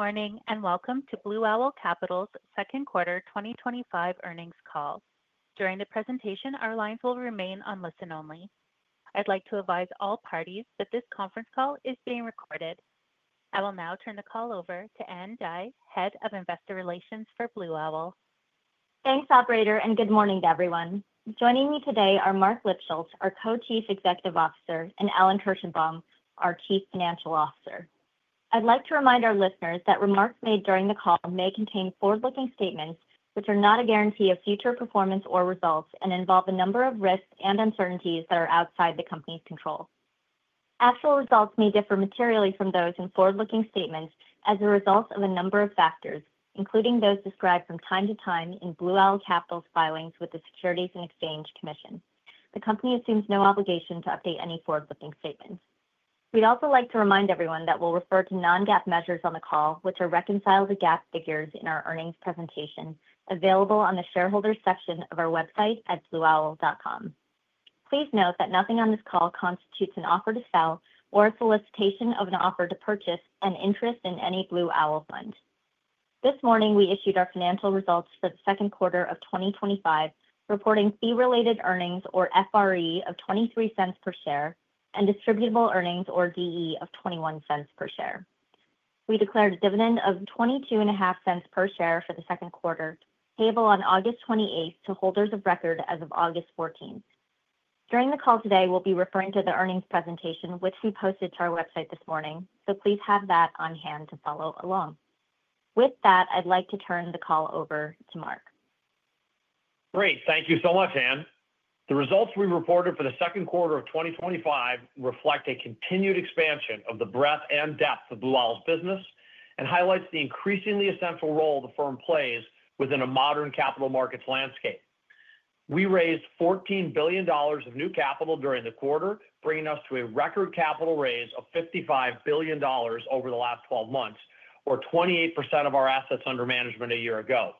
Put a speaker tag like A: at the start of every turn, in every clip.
A: Good morning and welcome to Blue Owl Capital's Second Quarter 2025 Earnings Call. During the presentation, our lines will remain on listen only. I'd like to advise all parties that this conference call is being recorded. I will now turn the call over to Ann Dai, Head of Investor Relations for Blue Owl.
B: Thanks, Operator, and good morning to everyone. Joining me today are Marc Lipschultz, our Co-Chief Executive Officer, and Alan Kirshenbaum, our Chief Financial Officer. I'd like to remind our listeners that remarks made during the call may contain forward-looking statements which are not a guarantee of future performance or results and involve a number of risks and uncertainties that are outside the company's control. Actual results may differ materially from those in forward-looking statements as a result of a number of factors, including those described from time to time in Blue Owl Capital's filings with the Securities and Exchange Commission. The company assumes no obligation to update any forward-looking statements. We'd also like to remind everyone that we'll refer to non-GAAP measures on the call, which are reconciled to GAAP figures in our earnings presentation, available on the shareholders' section of our website at blueowl.com. Please note that nothing on this call constitutes an offer to sell or a solicitation of an offer to purchase an interest in any Blue Owl fund. This morning, we issued our financial results for the second quarter of 2025, reporting fee-related earnings, or FRE, of $0.23 per share and distributable earnings, or DE, of $0.21 per share. We declared a dividend of $0.225 per share for the second quarter, payable on August 28 to holders of record as of August 14. During the call today, we'll be referring to the earnings presentation, which we posted to our website this morning, so please have that on hand to follow along. With that, I'd like to turn the call over to Marc.
C: Great. Thank you so much, Ann. The results we reported for the second quarter of 2025 reflect a continued expansion of the breadth and depth of Blue Owl's business and highlight the increasingly essential role the firm plays within a modern capital markets landscape. We raised $14 billion of new capital during the quarter, bringing us to a record capital raise of $55 billion over the last 12 months, or 28% of our assets under management a year ago.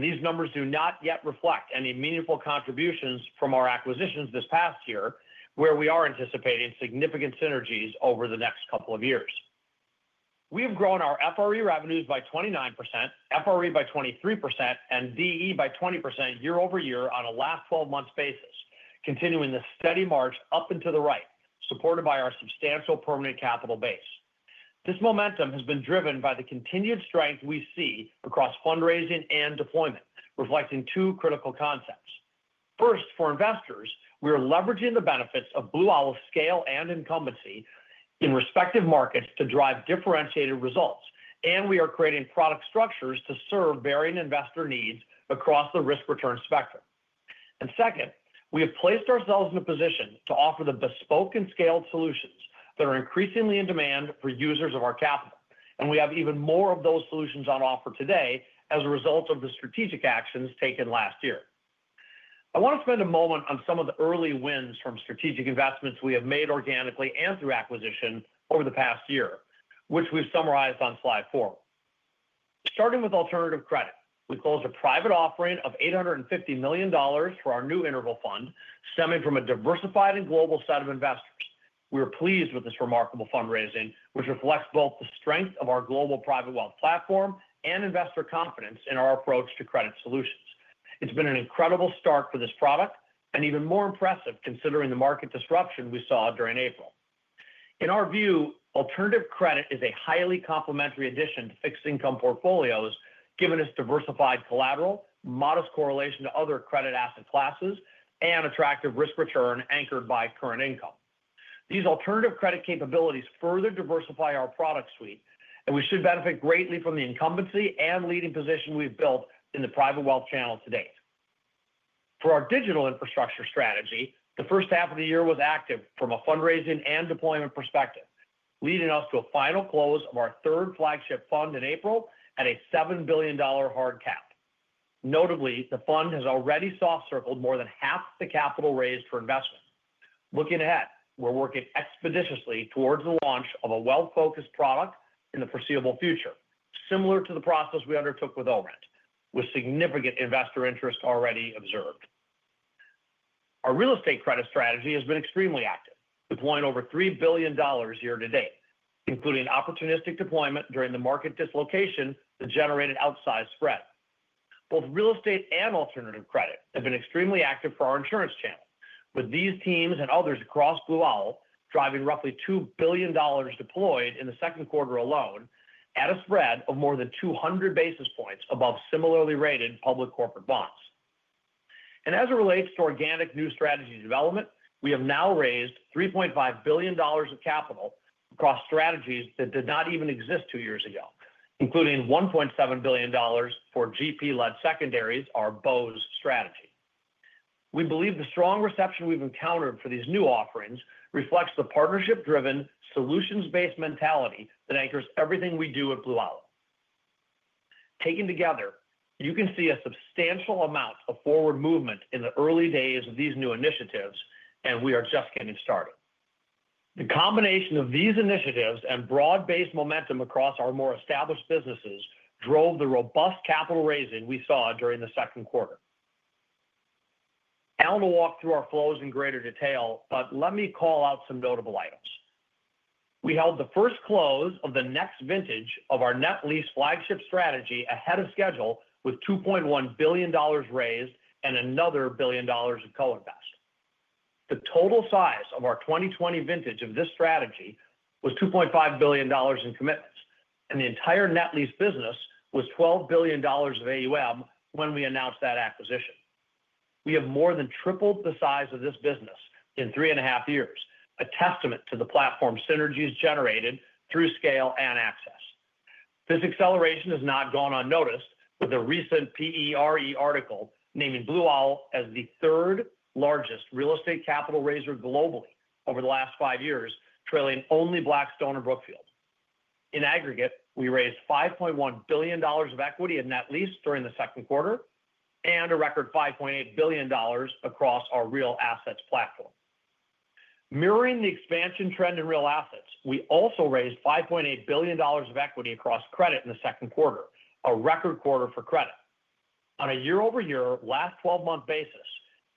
C: These numbers do not yet reflect any meaningful contributions from our acquisitions this past year, where we are anticipating significant synergies over the next couple of years. We have grown our FRE revenues by 29%, FRE by 23%, and DE by 20% year over year on a last 12-month basis, continuing the steady march up and to the right, supported by our substantial permanent capital base. This momentum has been driven by the continued strength we see across fundraising and deployment, reflecting two critical concepts. First, for investors, we are leveraging the benefits of Blue Owl's scale and incumbency in respective markets to drive differentiated results, and we are creating product structures to serve varying investor needs across the risk-return spectrum. Second, we have placed ourselves in a position to offer the bespoke and scaled solutions that are increasingly in demand for users of our capital, and we have even more of those solutions on offer today as a result of the strategic actions taken last year. I want to spend a moment on some of the early wins from strategic investments we have made organically and through acquisition over the past year, which we've summarized on slide four. Starting with alternative credit, we closed a private offering of $850 million for our new interval fund, stemming from a diversified and global set of investors. We are pleased with this remarkable fundraising, which reflects both the strength of our global private wealth platform and investor confidence in our approach to credit solutions. It's been an incredible start for this product and even more impressive considering the market disruption we saw during April. In our view, alternative credit is a highly complementary addition to fixed-income portfolios, giving us diversified collateral, modest correlation to other credit asset classes, and attractive risk-return anchored by current income. These alternative credit capabilities further diversify our product suite, and we should benefit greatly from the incumbency and leading position we've built in the private wealth channel to date. For our digital infrastructure strategy, the first half of the year was active from a fundraising and deployment perspective, leading us to a final close of our third digital infrastructure flagship fund in April at a $7 billion hard cap. Notably, the fund has already soft-circled more than half the capital raised for investment. Looking ahead, we're working expeditiously towards the launch of a wealth-focused product in the foreseeable future, similar to the process we undertook with OTF, with significant investor interest already observed. Our real estate credit strategy has been extremely active, deploying over $3 billion year to date, including opportunistic deployment during the market dislocation that generated outsized spread. Both real estate and alternative credit have been extremely active for our insurance channel, with these teams and others across Blue Owl driving roughly $2 billion deployed in the second quarter alone at a spread of more than 200 basis points above similarly rated public corporate bonds. As it relates to organic new strategy development, we have now raised $3.5 billion of capital across strategies that did not even exist two years ago, including $1.7 billion for GP-led secondaries, our BOWS strategy. We believe the strong reception we've encountered for these new offerings reflects the partnership-driven, solutions-based mentality that anchors everything we do at Blue Owl. Taken together, you can see a substantial amount of forward movement in the early days of these new initiatives, and we are just getting started. The combination of these initiatives and broad-based momentum across our more established businesses drove the robust capital raising we saw during the second quarter. Alan will walk through our flows in greater detail, but let me call out some notable items. We held the first close of the next vintage of our net lease strategy ahead of schedule with $2.1 billion raised and another $1 billion of co-invest. The total size of our 2020 vintage of this strategy was $2.5 billion in commitments, and the entire net lease business was $12 billion of AUM when we announced that acquisition. We have more than tripled the size of this business in three and a half years, a testament to the platform synergies generated through scale and access. This acceleration has not gone unnoticed, with a recent PERE article naming Blue Owl as the third-largest real estate capital raiser globally over the last five years, trailing only Blackstone and Brookfield. In aggregate, we raised $5.1 billion of equity in net lease during the second quarter and a record $5.8 billion across our real assets platform. Mirroring the expansion trend in real assets, we also raised $5.8 billion of equity across credit in the second quarter, a record quarter for credit. On a year-over-year, last 12-month basis,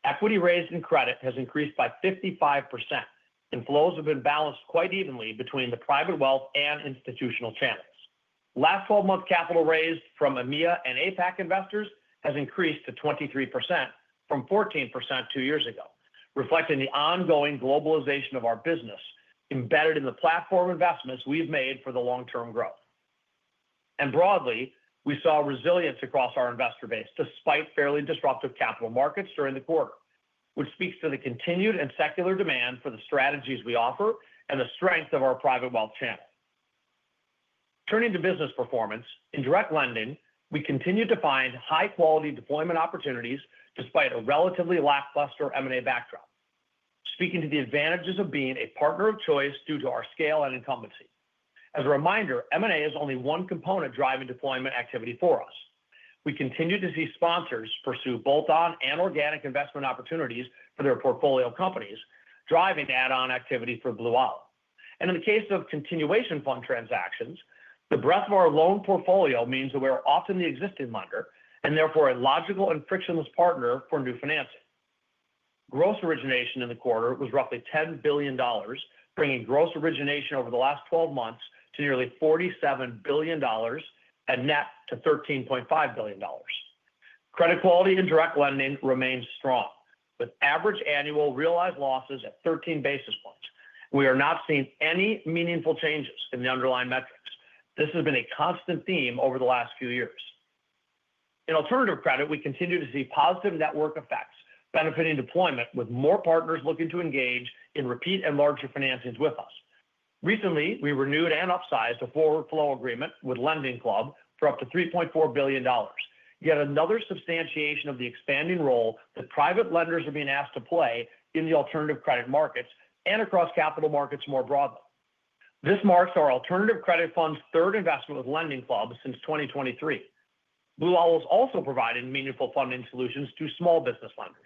C: equity raised in credit has increased by 55%, and flows have been balanced quite evenly between the private wealth and institutional channels. Last 12-month capital raised from EMEA and APAC investors has increased to 23% from 14% two years ago, reflecting the ongoing globalization of our business embedded in the platform investments we've made for the long-term growth. Broadly, we saw resilience across our investor base despite fairly disruptive capital markets during the quarter, which speaks to the continued and secular demand for the strategies we offer and the strength of our private wealth channel. Turning to business performance, in direct lending, we continue to find high-quality deployment opportunities despite a relatively lackluster M&A backdrop, speaking to the advantages of being a partner of choice due to our scale and incumbency. As a reminder, M&A is only one component driving deployment activity for us. We continue to see sponsors pursue bolt-on and organic investment opportunities for their portfolio companies, driving add-on activity for Blue Owl. In the case of continuation fund transactions, the breadth of our loan portfolio means that we are often the existing lender and therefore a logical and frictionless partner for new financing. Gross origination in the quarter was roughly $10 billion, bringing gross origination over the last 12 months to nearly $47 billion, and net to $13.5 billion. Credit quality in direct lending remains strong, with average annual realized losses at 13 basis points. We are not seeing any meaningful changes in the underlying metrics. This has been a constant theme over the last few years. In alternative credit, we continue to see positive network effects benefiting deployment, with more partners looking to engage in repeat and larger financings with us. Recently, we renewed and upsized a forward-flow agreement with LendingClub for up to $3.4 billion, yet another substantiation of the expanding role that private lenders are being asked to play in the alternative credit markets and across capital markets more broadly. This marks our alternative credit fund's third investment with LendingClub since 2023. Blue Owl has also provided meaningful funding solutions to small business lenders.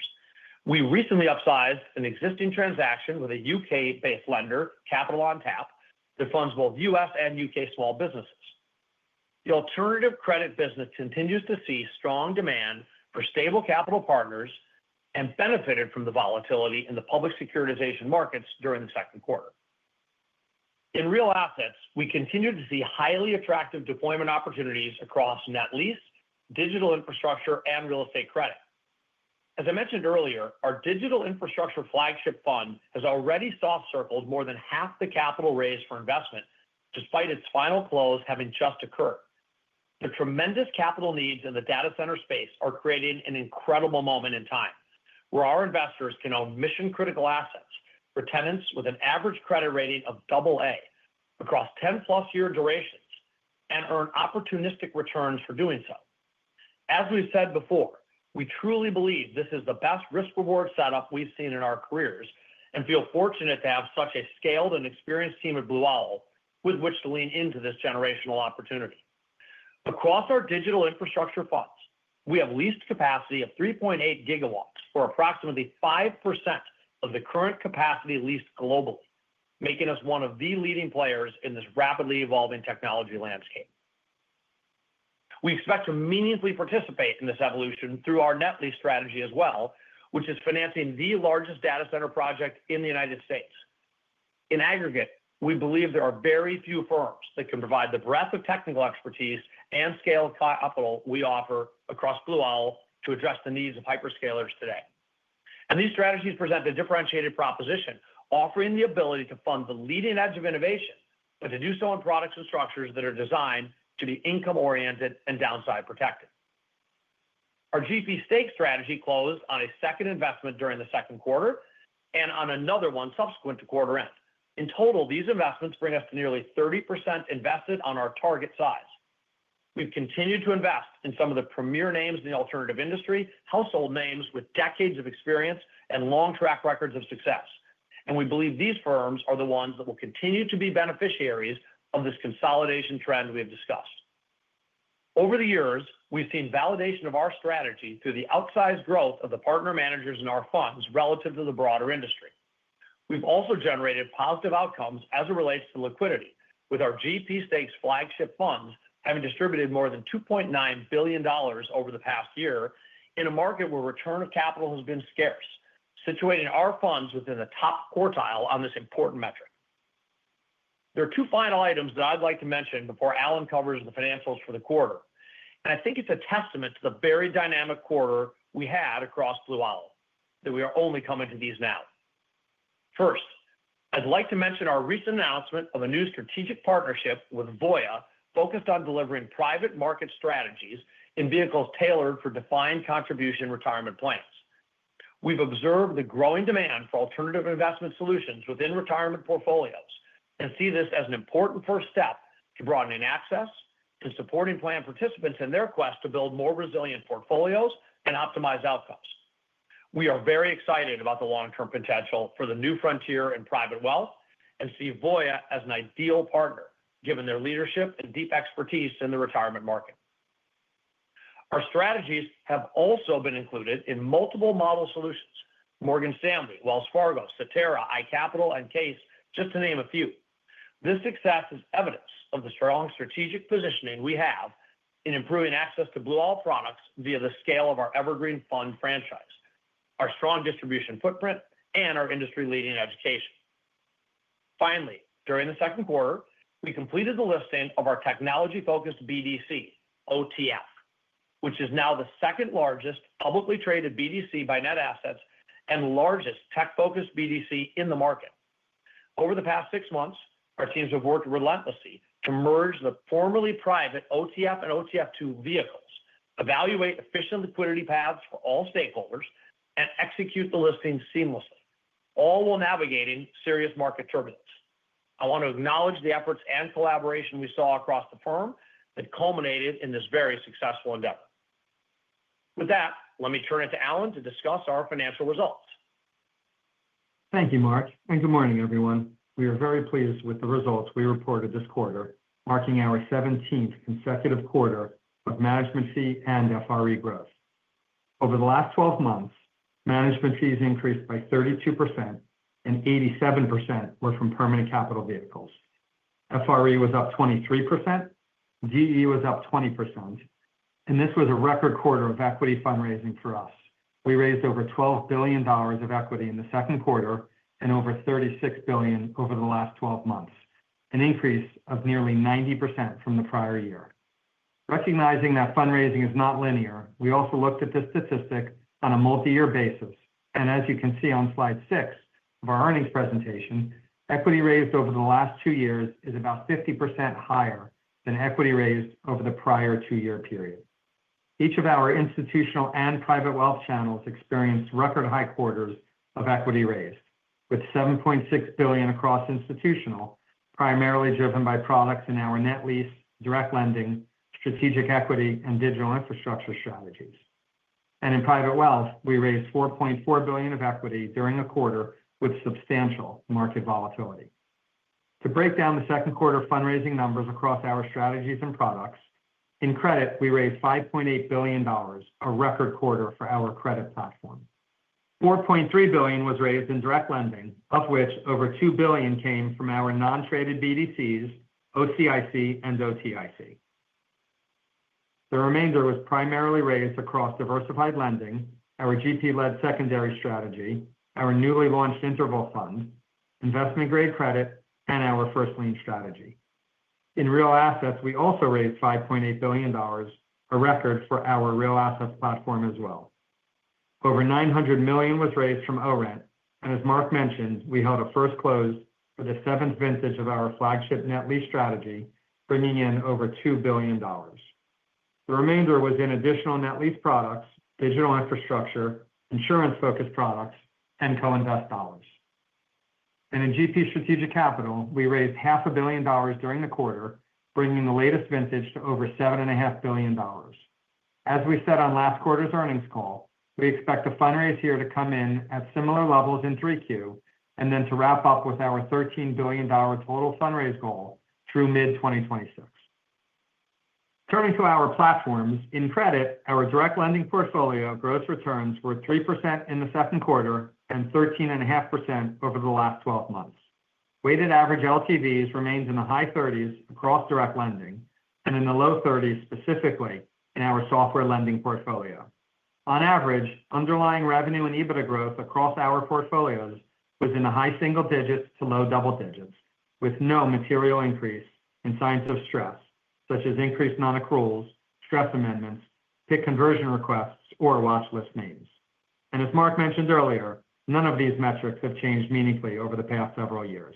C: We recently upsized an existing transaction with a UK-based lender, Capital on Tap, that funds both U.S. and UK small businesses. The alternative credit business continues to see strong demand for stable capital partners and benefited from the volatility in the public securitization markets during the second quarter. In real assets, we continue to see highly attractive deployment opportunities across net lease, digital infrastructure, and real estate credit. As I mentioned earlier, our third digital infrastructure flagship fund has already soft-circled more than half the capital raised for investment, despite its final close having just occurred. The tremendous capital needs in the data center space are creating an incredible moment in time, where our investors can own mission-critical assets for tenants with an average credit rating of AA across 10-plus year durations and earn opportunistic returns for doing so. As we've said before, we truly believe this is the best risk-reward setup we've seen in our careers and feel fortunate to have such a scaled and experienced team at Blue Owl with which to lean into this generational opportunity. Across our digital infrastructure funds, we have leased capacity of 3.8 gigawatts for approximately 5% of the current capacity leased globally, making us one of the leading players in this rapidly evolving technology landscape. We expect to meaningfully participate in this evolution through our net lease strategy as well, which is financing the largest data center project in the United States. In aggregate, we believe there are very few firms that can provide the breadth of technical expertise and scale of capital we offer across Blue Owl to address the needs of hyperscalers today. These strategies present a differentiated proposition, offering the ability to fund the leading edge of innovation, but to do so in products and structures that are designed to be income-oriented and downside protected. Our GP stake strategy closed on a second investment during the second quarter and on another one subsequent to quarter end. In total, these investments bring us to nearly 30% invested on our target size. We have continued to invest in some of the premier names in the alternative industry, household names with decades of experience and long track records of success. We believe these firms are the ones that will continue to be beneficiaries of this consolidation trend we have discussed. Over the years, we have seen validation of our strategy through the outsized growth of the partner managers in our funds relative to the broader industry. We have also generated positive outcomes as it relates to liquidity, with our GP stakes flagship funds having distributed more than $2.9 billion over the past year in a market where return of capital has been scarce, situating our funds within the top quartile on this important metric. There are two final items that I would like to mention before Alan covers the financials for the quarter. I think it is a testament to the very dynamic quarter we had across Blue Owl that we are only coming to these now. First, I would like to mention our recent announcement of a new strategic partnership with Voya focused on delivering private market strategies in vehicles tailored for defined contribution retirement plans. We have observed the growing demand for alternative investment solutions within retirement portfolios and see this as an important first step to broadening access and supporting plan participants in their quest to build more resilient portfolios and optimize outcomes. We are very excited about the long-term potential for the new frontier in private wealth and see Voya as an ideal partner, given their leadership and deep expertise in the retirement market. Our strategies have also been included in multiple model solutions: Morgan Stanley, Wells Fargo, Citera, iCapital, and Case, just to name a few. This success is evidence of the strong strategic positioning we have in improving access to Blue Owl products via the scale of our Evergreen Fund franchise, our strong distribution footprint, and our industry-leading education. Finally, during the second quarter, we completed the listing of our technology-focused BDC, OTF, which is now the second-largest publicly traded BDC by net assets and largest tech-focused BDC in the market. Over the past six months, our teams have worked relentlessly to merge the formerly private OTF and OTF2 vehicles, evaluate efficient liquidity paths for all stakeholders, and execute the listing seamlessly, all while navigating serious market turbulence. I want to acknowledge the efforts and collaboration we saw across the firm that culminated in this very successful endeavor. With that, let me turn it to Alan to discuss our financial results.
D: Thank you, Marc. And good morning, everyone. We are very pleased with the results we reported this quarter, marking our 17th consecutive quarter of management fee and FRE growth. Over the last 12 months, management fees increased by 32%, and 87% were from permanent capital vehicles. FRE was up 23%. DE was up 20%. This was a record quarter of equity fundraising for us. We raised over $12 billion of equity in the second quarter and over $36 billion over the last 12 months, an increase of nearly 90% from the prior year. Recognizing that fundraising is not linear, we also looked at this statistic on a multi-year basis. As you can see on slide six of our earnings presentation, equity raised over the last two years is about 50% higher than equity raised over the prior two-year period. Each of our institutional and private wealth channels experienced record high quarters of equity raised, with $7.6 billion across institutional, primarily driven by products in our net lease, direct lending, strategic equity, and digital infrastructure strategies. In private wealth, we raised $4.4 billion of equity during the quarter with substantial market volatility. To break down the second quarter fundraising numbers across our strategies and products, in credit, we raised $5.8 billion, a record quarter for our credit platform. $4.3 billion was raised in direct lending, of which over $2 billion came from our non-traded BDCs, OCIC, and OTIC. The remainder was primarily raised across diversified lending, our GP-led secondaries strategy, our newly launched interval fund, investment-grade credit, and our first-lien strategy. In real assets, we also raised $5.8 billion, a record for our real assets platform as well. Over $900 million was raised from ORENT. As Marc mentioned, we held a first close for the seventh vintage of our flagship net lease strategy, bringing in over $2 billion. The remainder was in additional net lease products, digital infrastructure, insurance-focused products, and co-invest dollars. In GP strategic capital, we raised half a billion dollars during the quarter, bringing the latest vintage to over $7.5 billion. As we said on last quarter's earnings call, we expect the fundraise here to come in at similar levels in Q3 and then to wrap up with our $13 billion total fundraise goal through mid-2026. Turning to our platforms, in credit, our direct lending portfolio gross returns were 3% in the second quarter and 13.5% over the last 12 months. Weighted average LTVs remained in the high 30s across direct lending and in the low 30s specifically in our software lending portfolio. On average, underlying revenue and EBITDA growth across our portfolios was in the high single digits to low double digits, with no material increase in signs of stress, such as increased non-accruals, stress amendments, PIK conversion requests, or watchlist names. As Marc mentioned earlier, none of these metrics have changed meaningfully over the past several years.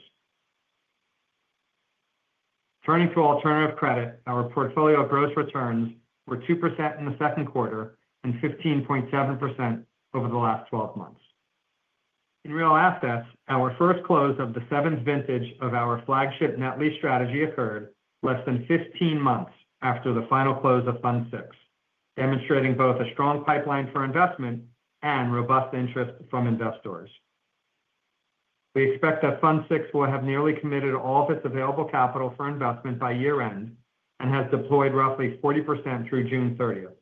D: Turning to alternative credit, our portfolio gross returns were 2% in the second quarter and 15.7% over the last 12 months. In real assets, our first close of the seventh vintage of our flagship net lease strategy occurred less than 15 months after the final close of fund six, demonstrating both a strong pipeline for investment and robust interest from investors. We expect that fund six will have nearly committed all of its available capital for investment by year-end and has deployed roughly 40% through June 30th,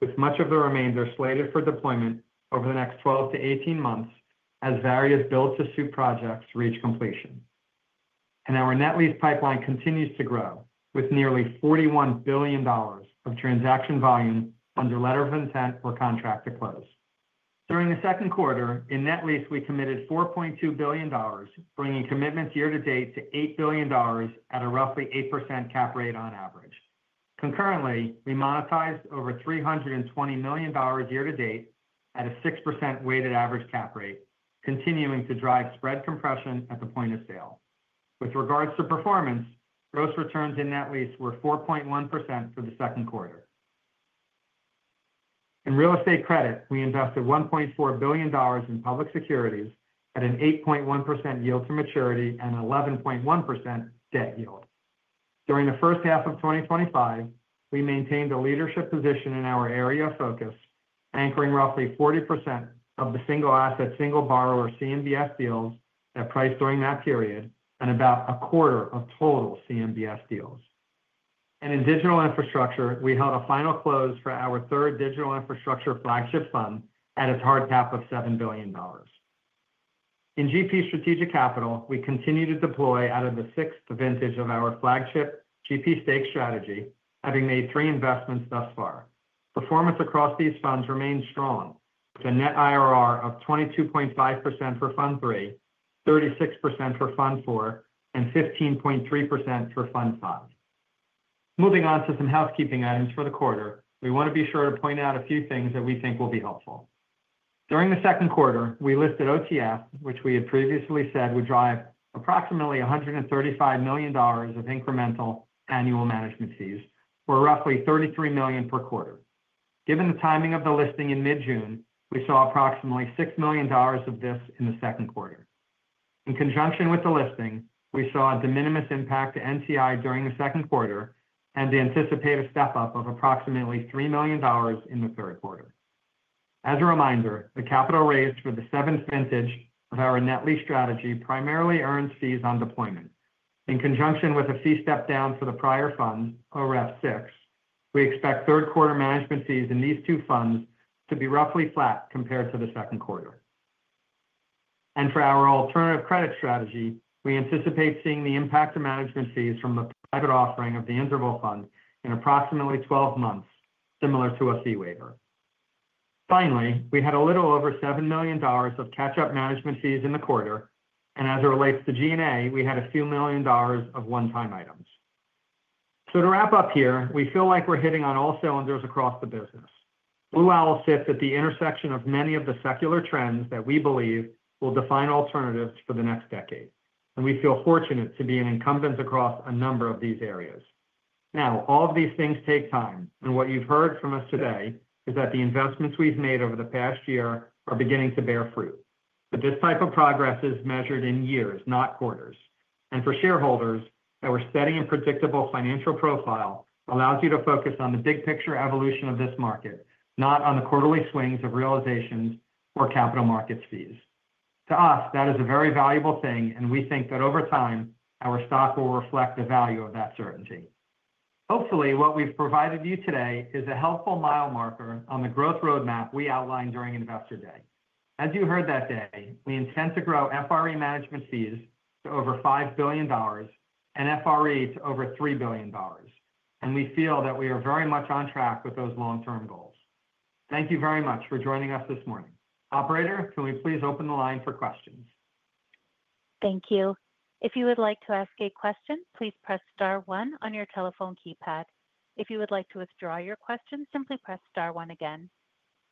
D: with much of the remainder slated for deployment over the next 12 to 18 months as various build-to-suit projects reach completion. Our net lease pipeline continues to grow, with nearly $41 billion of transaction volume under letter of intent for contract to close. During the second quarter, in net lease, we committed $4.2 billion, bringing commitments year-to-date to $8 billion at a roughly 8% cap rate on average. Concurrently, we monetized over $320 million year-to-date at a 6% weighted average cap rate, continuing to drive spread compression at the point of sale. With regards to performance, gross returns in net lease were 4.1% for the second quarter. In real estate credit, we invested $1.4 billion in public securities at an 8.1% yield to maturity and 11.1% debt yield. During the first half of 2025, we maintained a leadership position in our area of focus, anchoring roughly 40% of the single asset, single borrower CMBS deals that priced during that period and about a quarter of total CMBS deals. In digital infrastructure, we held a final close for our third digital infrastructure flagship fund at a hard cap of $7 billion. In GP strategic capital, we continue to deploy out of the sixth vintage of our flagship GP stake strategy, having made three investments thus far. Performance across these funds remained strong, with a net IRR of 22.5% for fund three, 36% for fund four, and 15.3% for fund five. Moving on to some housekeeping items for the quarter, we want to be sure to point out a few things that we think will be helpful. During the second quarter, we listed OTF, which we had previously said would drive approximately $135 million of incremental annual management fees, or roughly $33 million per quarter. Given the timing of the listing in mid-June, we saw approximately $6 million of this in the second quarter. In conjunction with the listing, we saw a de minimis impact to NCI during the second quarter and the anticipated step-up of approximately $3 million in the third quarter. As a reminder, the capital raised for the seventh vintage of our net lease strategy primarily earned fees on deployment. In conjunction with a fee step-down for the prior fund, OREF 6, we expect third-quarter management fees in these two funds to be roughly flat compared to the second quarter. For our alternative credit strategy, we anticipate seeing the impact of management fees from the private offering of the interval fund in approximately 12 months, similar to a fee waiver. Finally, we had a little over $7 million of catch-up management fees in the quarter. As it relates to G&A, we had a few million dollars of one-time items. To wrap up here, we feel like we're hitting on all cylinders across the business. Blue Owl sits at the intersection of many of the secular trends that we believe will define alternatives for the next decade. We feel fortunate to be an incumbent across a number of these areas. All of these things take time. What you've heard from us today is that the investments we've made over the past year are beginning to bear fruit. This type of progress is measured in years, not quarters. For shareholders, our steady and predictable financial profile allows you to focus on the big-picture evolution of this market, not on the quarterly swings of realizations or capital market fees. To us, that is a very valuable thing. We think that over time, our stock will reflect the value of that certainty. Hopefully, what we've provided you today is a helpful mile marker on the growth roadmap we outlined during investor day. As you heard that day, we intend to grow FRE management fees to over $5 billion and FRE to over $3 billion. We feel that we are very much on track with those long-term goals. Thank you very much for joining us this morning. Operator, can we please open the line for questions?
A: Thank you. If you would like to ask a question, please press star one on your telephone keypad. If you would like to withdraw your question, simply press star one again.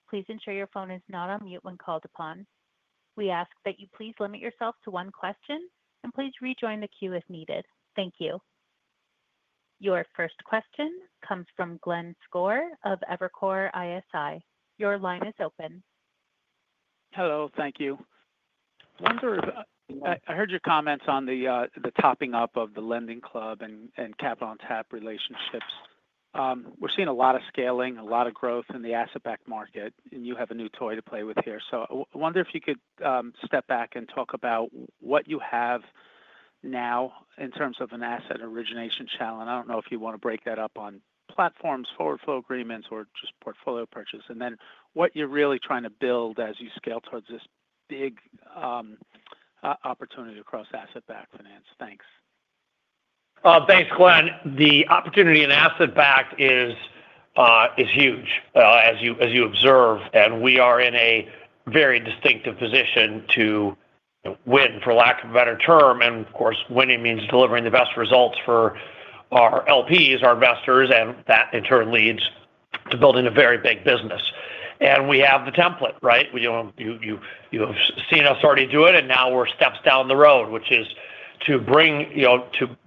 A: Please ensure your phone is not on mute when called upon. We ask that you please limit yourself to one question and please rejoin the queue if needed. Thank you. Your first question comes from Glenn Schorr of Evercore ISI. Your line is open.
E: Hello. Thank you. I heard your comments on the topping up of the LendingClub and Capital on Tap relationships. We're seeing a lot of scaling, a lot of growth in the asset-backed market. You have a new toy to play with here. I wonder if you could step back and talk about what you have now in terms of an asset origination challenge. I don't know if you want to break that up on platforms, forward flow agreements, or just portfolio purchase, and then what you're really trying to build as you scale towards this big opportunity across asset-backed finance? Thanks.
C: Thanks, Glenn. The opportunity in asset-backed is huge, as you observe. We are in a very distinctive position to win, for lack of a better term. Winning means delivering the best results for our LPs, our investors. That in turn leads to building a very big business. We have the template, right? You have seen us already do it. Now we're steps down the road, which is to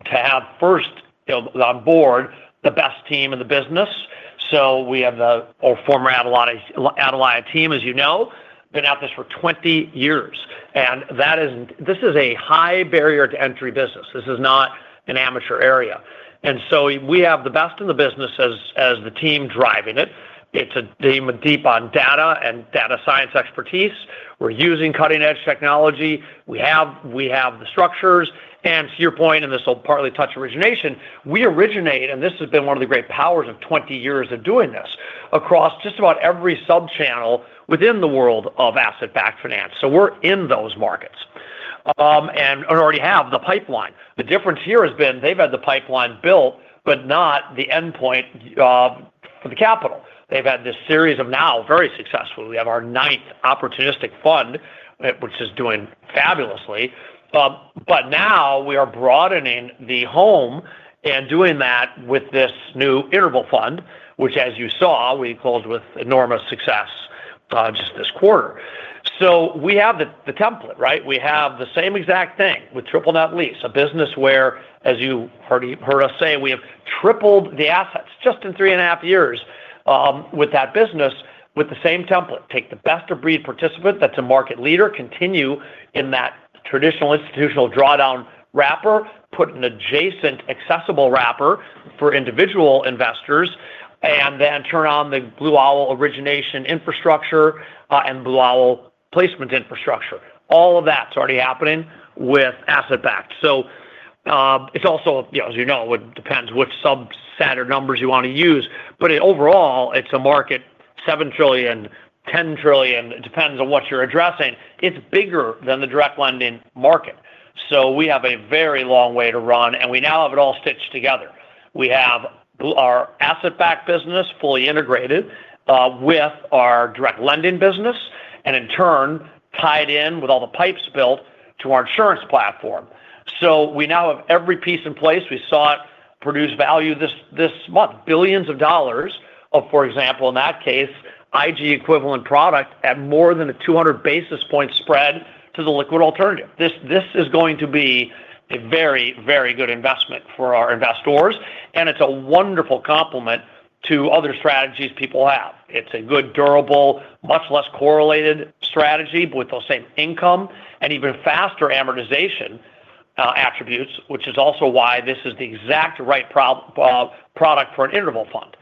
C: have first on board the best team in the business. We have the old former Adelaide team, as you know, been at this for 20 years. This is a high barrier-to-entry business. This is not an amateur area. We have the best in the business as the team driving it. It's a team deep on data and data science expertise. We're using cutting-edge technology. We have the structures. To your point, and this will partly touch origination, we originate, and this has been one of the great powers of 20 years of doing this, across just about every sub-channel within the world of asset-backed finance. We're in those markets and already have the pipeline. The difference here has been they've had the pipeline built, but not the endpoint for the capital. They've had this series of now very successful. We have our ninth opportunistic fund, which is doing fabulously. Now we are broadening the home and doing that with this new interval fund, which, as you saw, we closed with enormous success just this quarter. We have the template, right? We have the same exact thing with triple net lease, a business where, as you heard us say, we have tripled the assets just in 3 1/2 years with that business with the same template. Take the best-of-breed participant that's a market leader, continue in that traditional institutional drawdown wrapper, put an adjacent accessible wrapper for individual investors, and then turn on the Blue Owl origination infrastructure and Blue Owl placement infrastructure. All of that's already happening with asset-backed. It's also, as you know, it depends which subset or numbers you want to use. Overall, it's a market, $7 trillion, $10 trillion, it depends on what you're addressing. It's bigger than the direct lending market. We have a very long way to run. We now have it all stitched together. We have our asset-backed business fully integrated, we have our direct lending business and, in turn, tied in with all the pipes built to our insurance platform. We now have every piece in place. We saw it produce value this month, billions of dollars of, for example, in that case, IG-equivalent product at more than a 200 basis point spread to the liquid alternative. This is going to be a very, very good investment for our investors. It's a wonderful complement to other strategies people have. It's a good, durable, much less correlated strategy with those same income and even faster amortization attributes, which is also why this is the exact right product for an interval fund.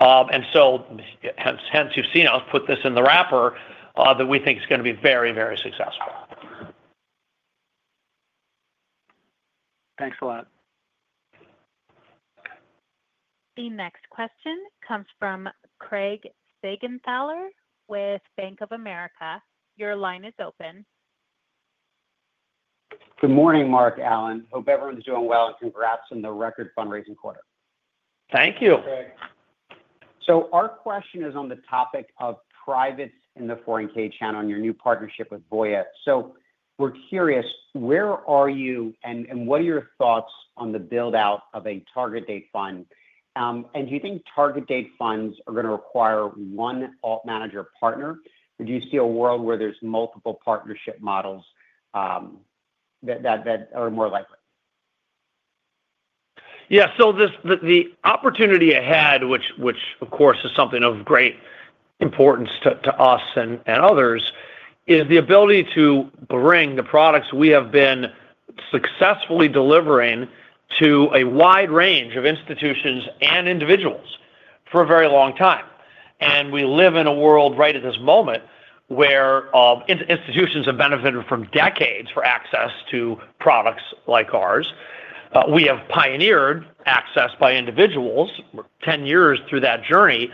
C: Hence, you've seen us put this in the wrapper that we think is going to be very, very successful.
E: Thanks a lot.
A: The next question comes from Craig Siegenthaler with BofA Securities. Your line is open.
F: Good morning, Marc, Alan. Hope everyone's doing well and congrats on the record fundraising quarter.
C: Thank you.
F: Our question is on the topic of private in the 401 (k) channel and your new partnership with Voya. We're curious, where are you and what are your thoughts on the build-out of a target-date fund? Do you think target-date funds are going to require one alt manager partner, or do you see a world where there's multiple partnership models that are more likely?
C: Yeah. The opportunity ahead, which, of course, is something of great importance to us and others, is the ability to bring the products we have been successfully delivering to a wide range of institutions and individuals for a very long time. We live in a world right at this moment where institutions have benefited from decades for access to products like ours. We have pioneered access by individuals 10 years through that journey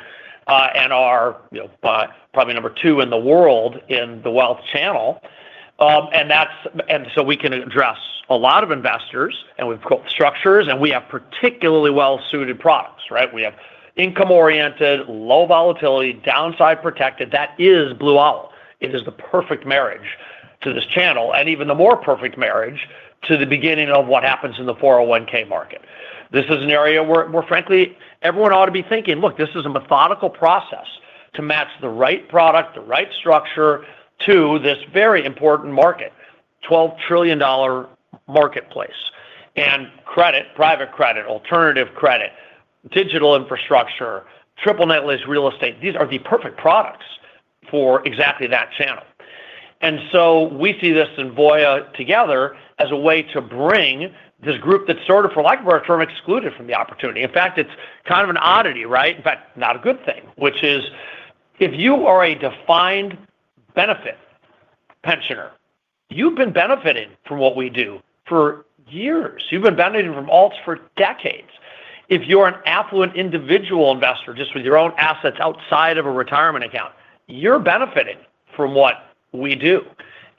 C: and are probably number two in the world in the wealth channel. We can address a lot of investors, and we've built structures, and we have particularly well-suited products, right? We have income-oriented, low volatility, downside protected. That is Blue Owl. It is the perfect marriage to this channel, and even the more perfect marriage to the beginning of what happens in the 401 (k) market. This is an area where, frankly, everyone ought to be thinking, "Look, this is a methodical process to match the right product, the right structure to this very important market, $12 trillion marketplace." Credit, private credit, alternative credit, digital infrastructure, triple net lease real estate, these are the perfect products for exactly that channel. We see this in Voya together as a way to bring this group that's sort of, for lack of a better term, excluded from the opportunity. In fact, it's kind of an oddity, right? In fact, not a good thing, which is if you are a defined benefit pensioner, you've been benefiting from what we do for years. You've been benefiting from alts for decades. If you're an affluent individual investor just with your own assets outside of a retirement account, you're benefiting from what we do.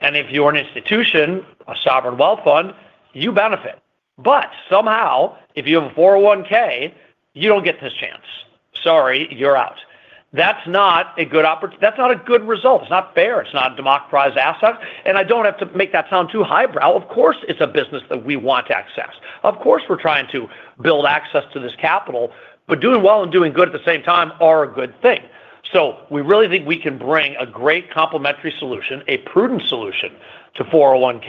C: If you're an institution, a sovereign wealth fund, you benefit. But somehow, if you have a 401 (k), you don't get this chance. Sorry, you're out. That's not a good result. It's not fair. It's not a democratized asset. I don't have to make that sound too highbrow, of course, it's a business that we want to access. Of course, we're trying to build access to this capital, but doing well and doing good at the same time are a good thing. We really think we can bring a great complementary solution, a prudent solution to 401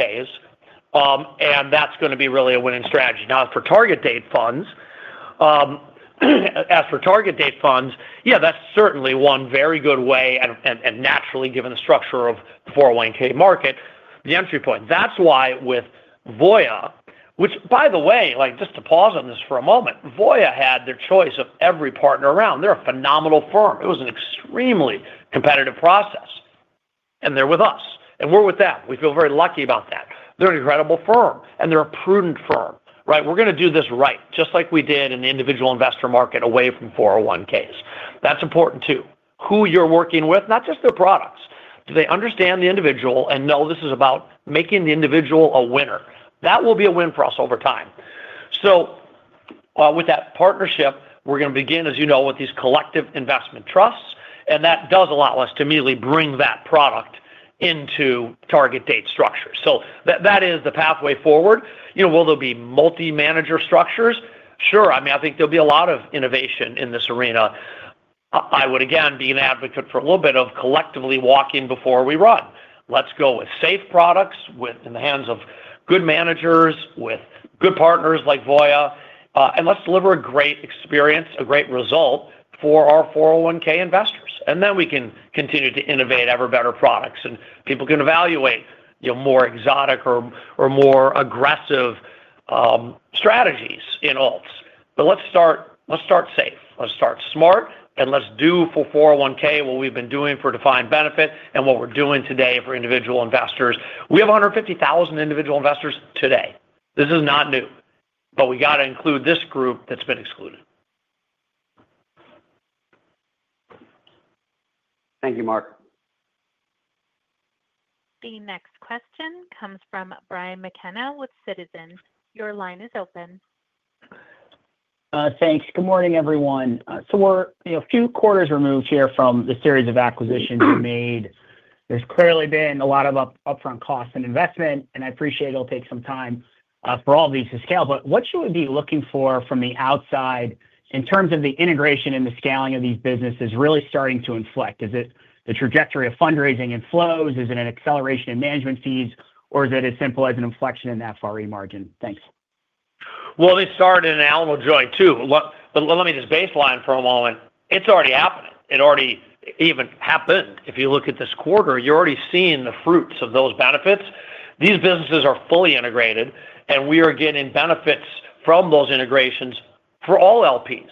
C: (k)s. That's going to be really a winning strategy. As for target-date funds, yeah, that's certainly one very good way and naturally, given the structure of the 401 (k) market, the entry point. That's why with Voya, which, by the way, just to pause on this for a moment, Voya had their choice of every partner around. They're a phenomenal firm. It was an extremely competitive process. They're with us. We're with them. We feel very lucky about that. They're an incredible firm. They're a prudent firm, right? We're going to do this right, just like we did in the individual investor market away from 401 (k)s. That's important too. Who you're working with, not just their products. Do they understand the individual and know this is about making the individual a winner? That will be a win for us over time. With that partnership, we're going to begin, as you know, with these collective investment trusts. That does allow us to immediately bring that product into target date structures. That is the pathway forward. Will there be multi-manager structures? Sure. I think there'll be a lot of innovation in this arena. I would, again, be an advocate for a little bit of collectively walking before we run. Let's go with safe products in the hands of good managers, with good partners like Voya. Let's deliver a great experience, a great result for our 401 (k) investors. Then we can continue to innovate ever better products. People can evaluate more exotic or more aggressive strategies in alts. Let's start safe. Let's start smart. Let's do for 401 (k) what we've been doing for defined benefit and what we're doing today for individual investors. We have 150,000 individual investors today. This is not new. We got to include this group that's been excluded.
F: Thank you, Marc.
A: The next question comes from Brian McKenna with Citizens. Your line is open.
G: Thanks. Good morning, everyone. We're a few quarters removed here from the series of acquisitions you made. There's clearly been a lot of upfront costs and investment. I appreciate it'll take some time for all of these to scale. What should we be looking for from the outside in terms of the integration and the scaling of these businesses really starting to inflect? Is it the trajectory of fundraising and flows? Is it an acceleration in management fees? Is it as simple as an inflection in that FRE margin? Thanks.
C: They started in an animal joint too. Let me just baseline for a moment. It's already happening. It already even happened. If you look at this quarter, you're already seeing the fruits of those benefits. These businesses are fully integrated, and we are getting benefits from those integrations for all LPs.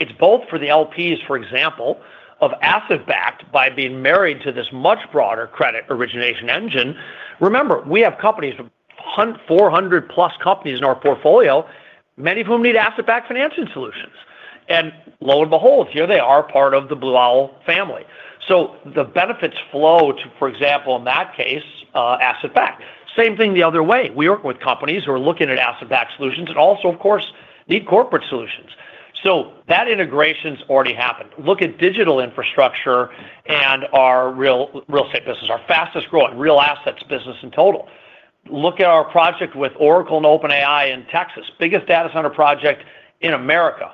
C: It's both for the LPs, for example, of asset-backed by being married to this much broader credit origination engine. Remember, we have companies, 400+ companies in our portfolio, many of whom need asset-backed financing solutions. Lo and behold, here they are part of the Blue Owl family. The benefits flow to, for example, in that case, asset-backed. Same thing the other way. We work with companies who are looking at asset-backed solutions and also, of course, need corporate solutions. That integration's already happened. Look at digital infrastructure and our real estate business, our fastest-growing real assets business in total. Look at our project with Oracle and OpenAI in Texas, biggest data center project in America.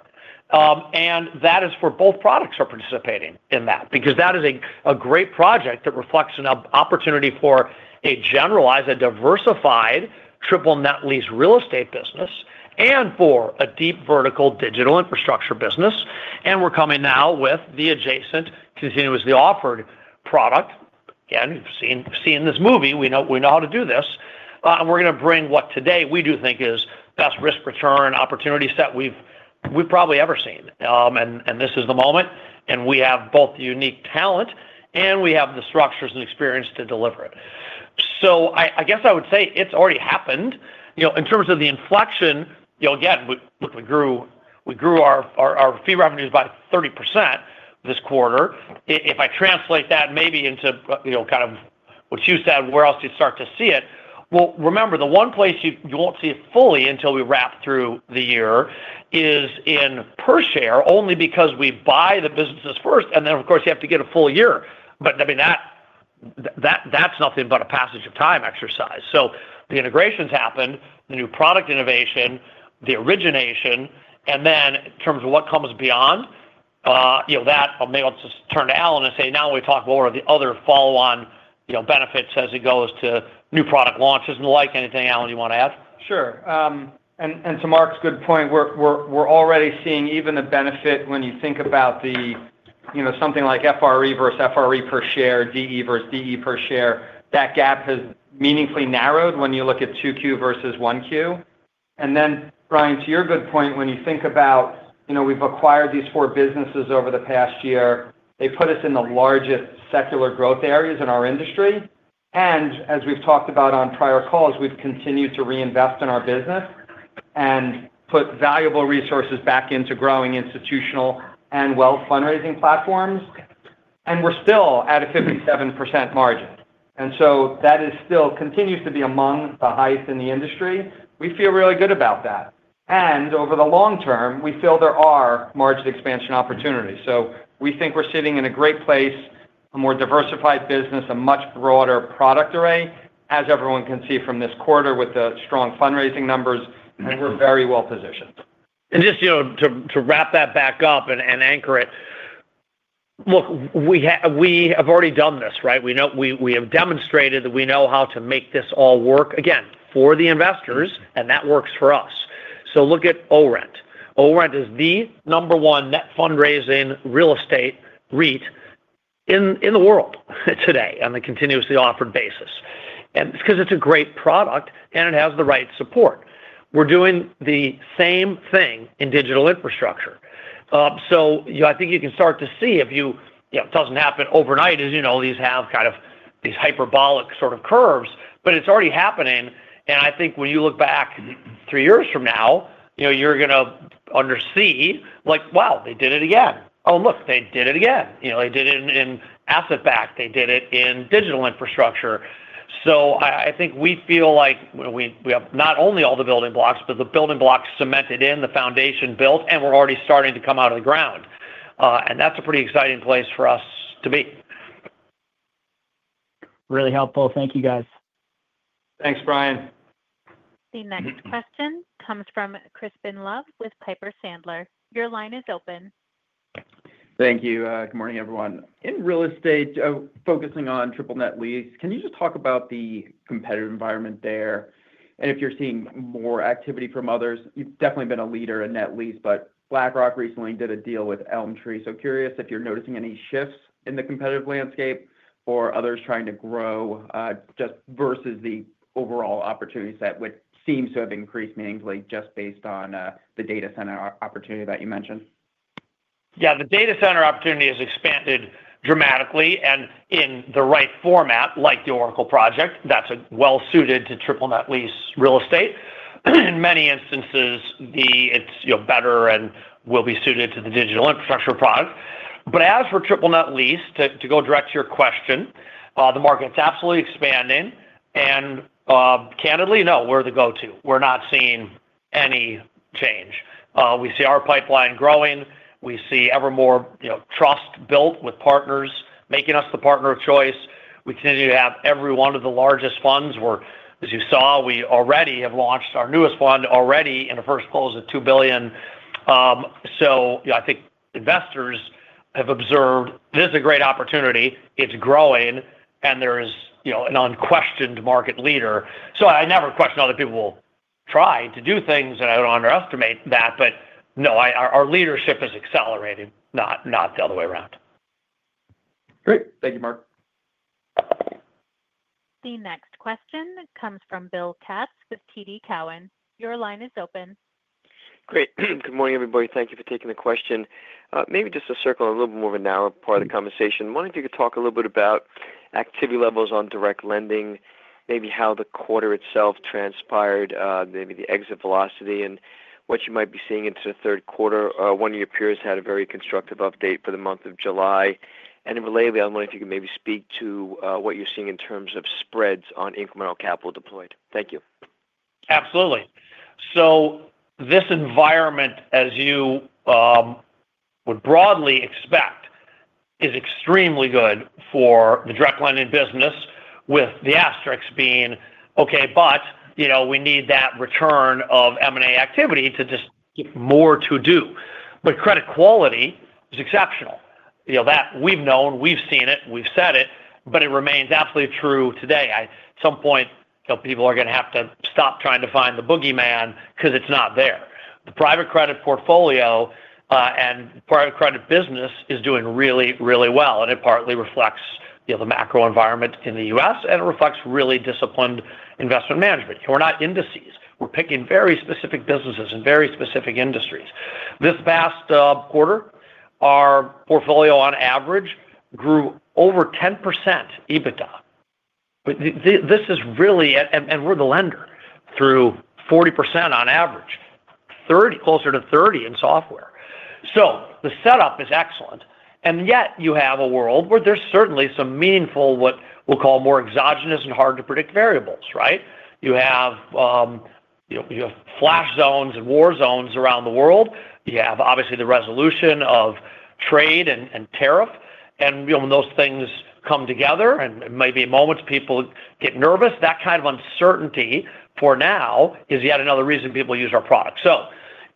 C: Both products are participating in that because that is a great project that reflects an opportunity for a generalized, a diversified triple net lease real estate business and for a deep vertical digital infrastructure business. We're coming now with the adjacent continuously offered product. You've seen this movie. We know how to do this, and we're going to bring what today we do think is best risk-return opportunity set we've probably ever seen. This is the moment, and we have both the unique talent, and we have the structures and experience to deliver it. I would say it's already happened. In terms of the inflection, look, we grew our fee revenues by 30% this quarter. If I translate that maybe into kind of what you said, where else do you start to see it? The one place you won't see it fully until we wrap through the year is in per share only because we buy the businesses first, and then you have to get a full year. That's nothing but a passage-of-time exercise. The integrations happened, the new product innovation, the origination, and then in terms of what comes beyond. That may, let's just turn to Alan and say, now we talk more of the other follow-on benefits as it goes to new product launches and the like. Anything, Alan, you want to add?
D: Sure. To Marc's good point, we're already seeing even the benefit when you think about something like FRE versus FRE per share, DE versus DE per share. That gap has meaningfully narrowed when you look at 2Q versus 1Q. Brian, to your good point, when you think about it, we've acquired these four businesses over the past year. They put us in the largest secular growth areas in our industry. As we've talked about on prior calls, we've continued to reinvest in our business and put valuable resources back into growing institutional and wealth fundraising platforms. We're still at a 57% margin, and that continues to be among the highest in the industry. We feel really good about that. Over the long term, we feel there are margin expansion opportunities. We think we're sitting in a great place, a more diversified business, a much broader product array, as everyone can see from this quarter with the strong fundraising numbers, and we're very well positioned.
C: Just to wrap that back up and anchor it, we have already done this, right? We have demonstrated that we know how to make this all work, again, for the investors, and that works for us. Look at ORENT. ORENT is the number one net fundraising real estate REIT in the world today on the continuously offered basis. It's because it's a great product, and it has the right support. We're doing the same thing in digital infrastructure. I think you can start to see, it doesn't happen overnight, as you know, these have kind of these hyperbolic sort of curves, but it's already happening. I think when you look back three years from now, you're going to see, like, "Wow, they did it again." Oh, look, they did it again. They did it in asset-backed. They did it in digital infrastructure. I think we feel like we have not only all the building blocks, but the building blocks cemented in, the foundation built, and we're already starting to come out of the ground. That's a pretty exciting place for us to be.
G: Really helpful. Thank you, guys.
D: Thanks, Brian.
A: The next question comes from Crispin Love with Piper Sandler. Your line is open.
H: Thank you. Good morning, everyone. In real estate, focusing on triple net lease, can you just talk about the competitive environment there? If you're seeing more activity from others, you've definitely been a leader in net lease, but BlackRock recently did a deal with Elmtree. Curious if you're noticing any shifts in the competitive landscape or others trying to grow just versus the overall opportunity set, which seems to have increased meaningfully just based on the data center opportunity that you mentioned?
C: The data center opportunity has expanded dramatically and in the right format, like the Oracle project. That's well-suited to triple net lease real estate. In many instances, it's better and will be suited to the digital infrastructure product. As for triple net lease, to go direct to your question, the market's absolutely expanding. Candidly, no, we're the go-to. We're not seeing any change. We see our pipeline growing. We see ever more trust built with partners making us the partner of choice. We continue to have every one of the largest funds. As you saw, we already have launched our newest fund already in the first close of $2 billion. I think investors have observed this is a great opportunity. It's growing, and there's an unquestioned market leader. I never question other people will try to do things, and I don't underestimate that. No, our leadership is accelerating, not the other way around.
H: Great. Thank you, Marc.
A: The next question comes from Bill Katz with TD Cowen. Your line is open.
I: Great. Good morning, everybody. Thank you for taking the question. Maybe just to circle a little bit more of a narrow part of the conversation, I wonder if you could talk a little bit about activity levels on direct lending, maybe how the quarter itself transpired, maybe the exit velocity, and what you might be seeing into the third quarter. One of your peers had a very constructive update for the month of July. Relatedly, I wonder if you could maybe speak to what you're seeing in terms of spreads on incremental capital deployed. Thank you.
C: Absolutely. This environment, as you would broadly expect, is extremely good for the direct lending business, with the asterisks being, "Okay, but we need that return of M&A activity to just get more to do." Credit quality is exceptional. We've known, we've seen it, we've said it, but it remains absolutely true today. At some point, people are going to have to stop trying to find the boogeyman because it's not there. The private credit portfolio and private credit business is doing really, really well. It partly reflects the macro environment in the U.S., and it reflects really disciplined investment management. We're not indices. We're picking very specific businesses in very specific industries. This past quarter, our portfolio on average grew over 10% EBITDA. This is really, and we're the lender through 40% on average, closer to 30% in software. The setup is excellent. Yet, you have a world where there's certainly some meaningful, what we'll call more exogenous and hard-to-predict variables, right? You have flash zones and war zones around the world. You have, obviously, the resolution of trade and tariff. When those things come together, and it may be moments people get nervous, that kind of uncertainty for now is yet another reason people use our product.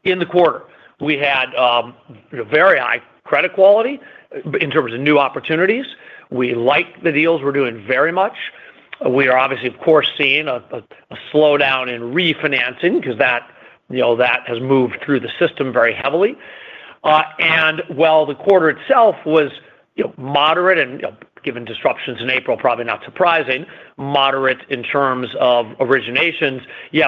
C: In the quarter, we had very high credit quality in terms of new opportunities. We like the deals we're doing very much. We are, obviously, of course, seeing a slowdown in refinancing because that has moved through the system very heavily. While the quarter itself was moderate and given disruptions in April, probably not surprising, moderate in terms of originations,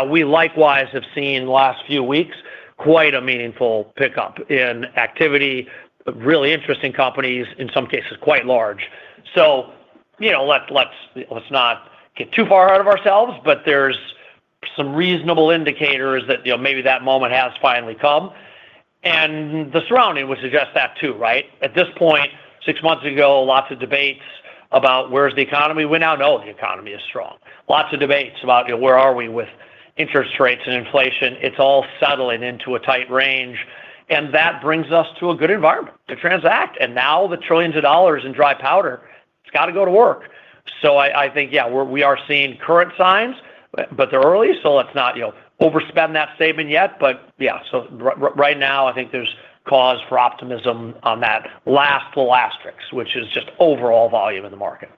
C: we likewise have seen the last few weeks quite a meaningful pickup in activity, really interesting companies, in some cases quite large. Let's not get too far out of ourselves, but there's some reasonable indicators that maybe that moment has finally come. The surrounding would suggest that too, right? At this point, six months ago, lots of debates about where's the economy. We now know the economy is strong. Lots of debates about where are we with interest rates and inflation. It's all settling into a tight range. That brings us to a good environment to transact. Now the trillions of dollars in dry powder, it's got to go to work. I think, yeah, we are seeing current signs, but they're early, so let's not overspend that statement yet. Right now, I think there's cause for optimism on that last little asterisk, which is just overall volume in the market.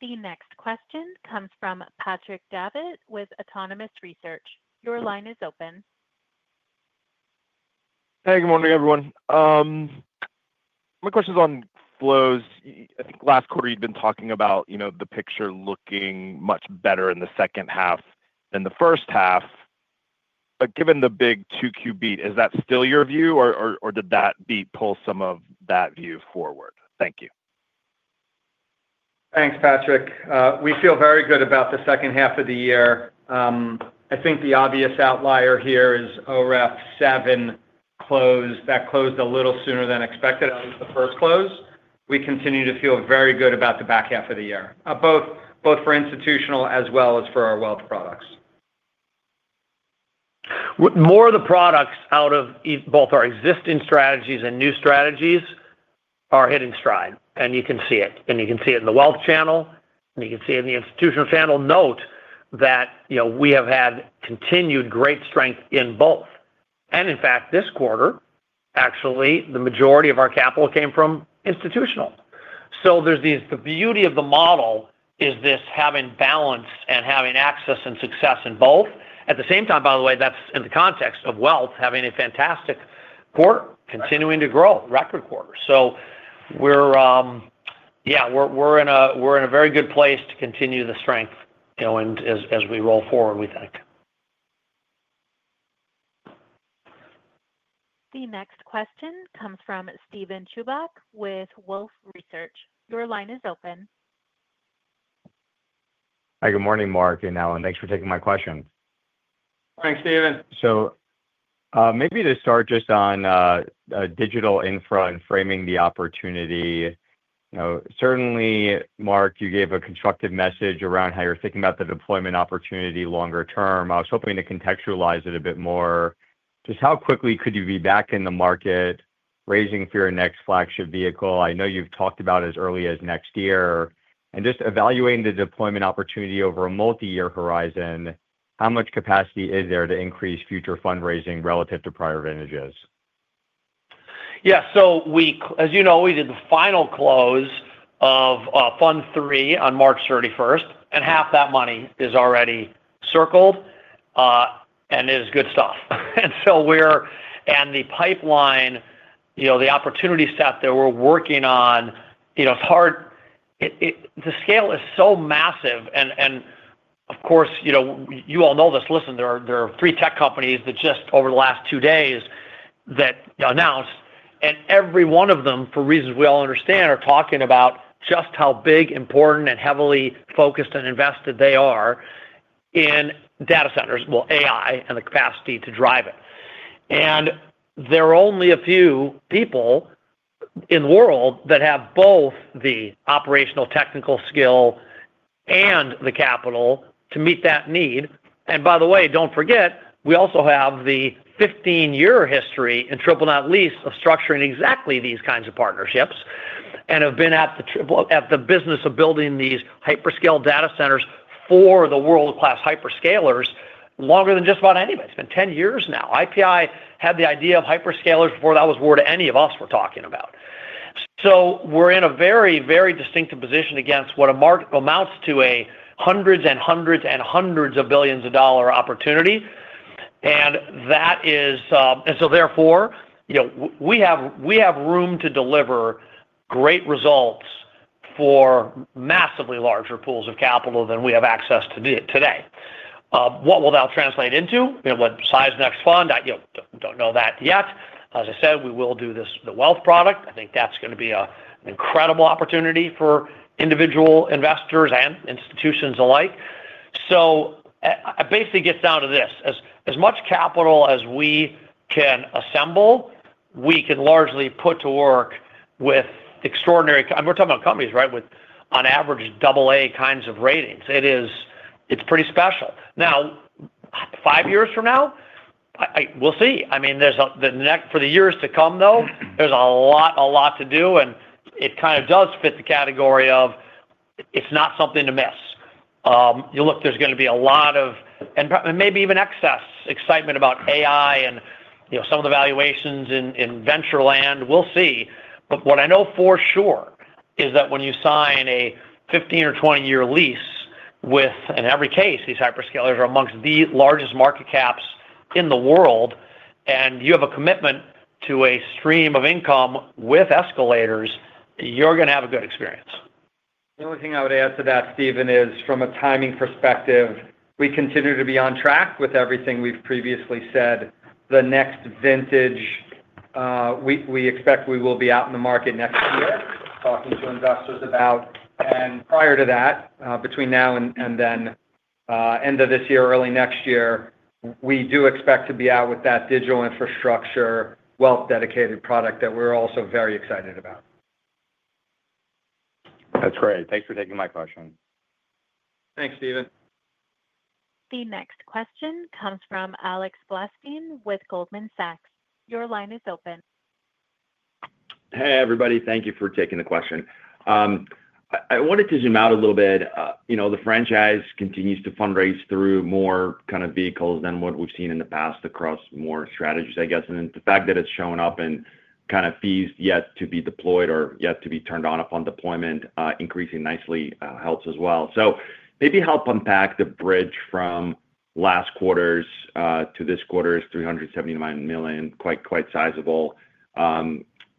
A: The next question comes from Patrick Davitt with Autonomous Research. Your line is open.
J: Hey, good morning, everyone. My question is on flows. I think last quarter, you've been talking about the picture looking much better in the second half than the first half. Given the big 2Q beat, is that still your view, or did that beat pull some of that view forward? Thank you.
D: Thanks, Patrick. We feel very good about the second half of the year. I think the obvious outlier here is OREF 7 closed. That closed a little sooner than expected at the first close. We continue to feel very good about the back half of the year, both for institutional as well as for our wealth products.
C: More of the products out of both our existing strategies and new strategies are hitting stride. You can see it in the wealth channel and you can see it in the institutional channel. Note that we have had continued great strength in both. In fact, this quarter, the majority of our capital came from institutional. The beauty of the model is having balance and having access and success in both. At the same time, that's in the context of wealth having a fantastic quarter, continuing to grow, record quarter. We're in a very good place to continue the strength. As we roll forward, we think.
A: The next question comes from Steven Chubak with Wolfe Research. Your line is open.
K: Hi, good morning, Marc and Alan. Thanks for taking my question.
C: Thanks, Steven.
K: Maybe to start just on digital infra and framing the opportunity. Certainly, Marc, you gave a constructive message around how you're thinking about the deployment opportunity longer term. I was hoping to contextualize it a bit more. Just how quickly could you be back in the market raising for your next flagship vehicle? I know you've talked about as early as next year. Evaluating the deployment opportunity over a multi-year horizon, how much capacity is there to increase future fundraising relative to prior vintages?
C: As you know, we did the final close of Fund 3 on March 31st, and half that money is already circled. It is good stuff. The pipeline, the opportunity set that we're working on, it's hard. The scale is so massive. Of course, you all know this. There are three tech companies that just over the last two days announced, and every one of them, for reasons we all understand, are talking about just how big, important, and heavily focused and invested they are in data centers, AI, and the capacity to drive it. There are only a few people. In the world that have both the operational technical skill and the capital to meet that need. By the way, don't forget, we also have the 15-year history in triple net lease of structuring exactly these kinds of partnerships and have been at the business of building these hyperscale data centers for the world-class hyperscalers longer than just about anybody. It's been 10 years now. IPI had the idea of hyperscalers before that was a word any of us were talking about. We are in a very, very distinctive position against what amounts to hundreds and hundreds and hundreds of billions of dollar opportunity. Therefore, we have room to deliver great results for massively larger pools of capital than we have access to today. What will that translate into? What size next fund? I don't know that yet. As I said, we will do the wealth product. I think that's going to be an incredible opportunity for individual investors and institutions alike. It basically gets down to this: as much capital as we can assemble, we can largely put to work with extraordinary—and we're talking about companies, right?—with, on average, AA kinds of ratings. It's pretty special. Now, five years from now, we'll see. For the years to come, though, there's a lot, a lot to do. It kind of does fit the category of it's not something to miss. You look, there's going to be a lot of, and maybe even excess excitement about AI and some of the valuations in venture land. We'll see. What I know for sure is that when you sign a 15 or 20-year lease with, in every case, these hyperscalers are amongst the largest market caps in the world, and you have a commitment to a stream of income with escalators, you're going to have a good experience.
D: The only thing I would add to that, Steven, is from a timing perspective, we continue to be on track with everything we've previously said. The next vintage, we expect we will be out in the market next year, talking to investors about. Prior to that, between now and then, end of this year, early next year, we do expect to be out with that digital infrastructure wealth dedicated product that we're also very excited about.
K: That's great. Thanks for taking my question.
D: Thanks, Steven.
A: The next question comes from Alex Blostein with Goldman Sachs. Your line is open.
L: Hey, everybody. Thank you for taking the question. I wanted to zoom out a little bit. The franchise continues to fundraise through more kinds of vehicles than what we've seen in the past across more strategies, I guess. The fact that it's shown up in fees yet to be deployed or yet to be turned on upon deployment, increasing nicely, helps as well. Maybe help unpack the bridge from last quarter's to this quarter's $379 million, quite sizable.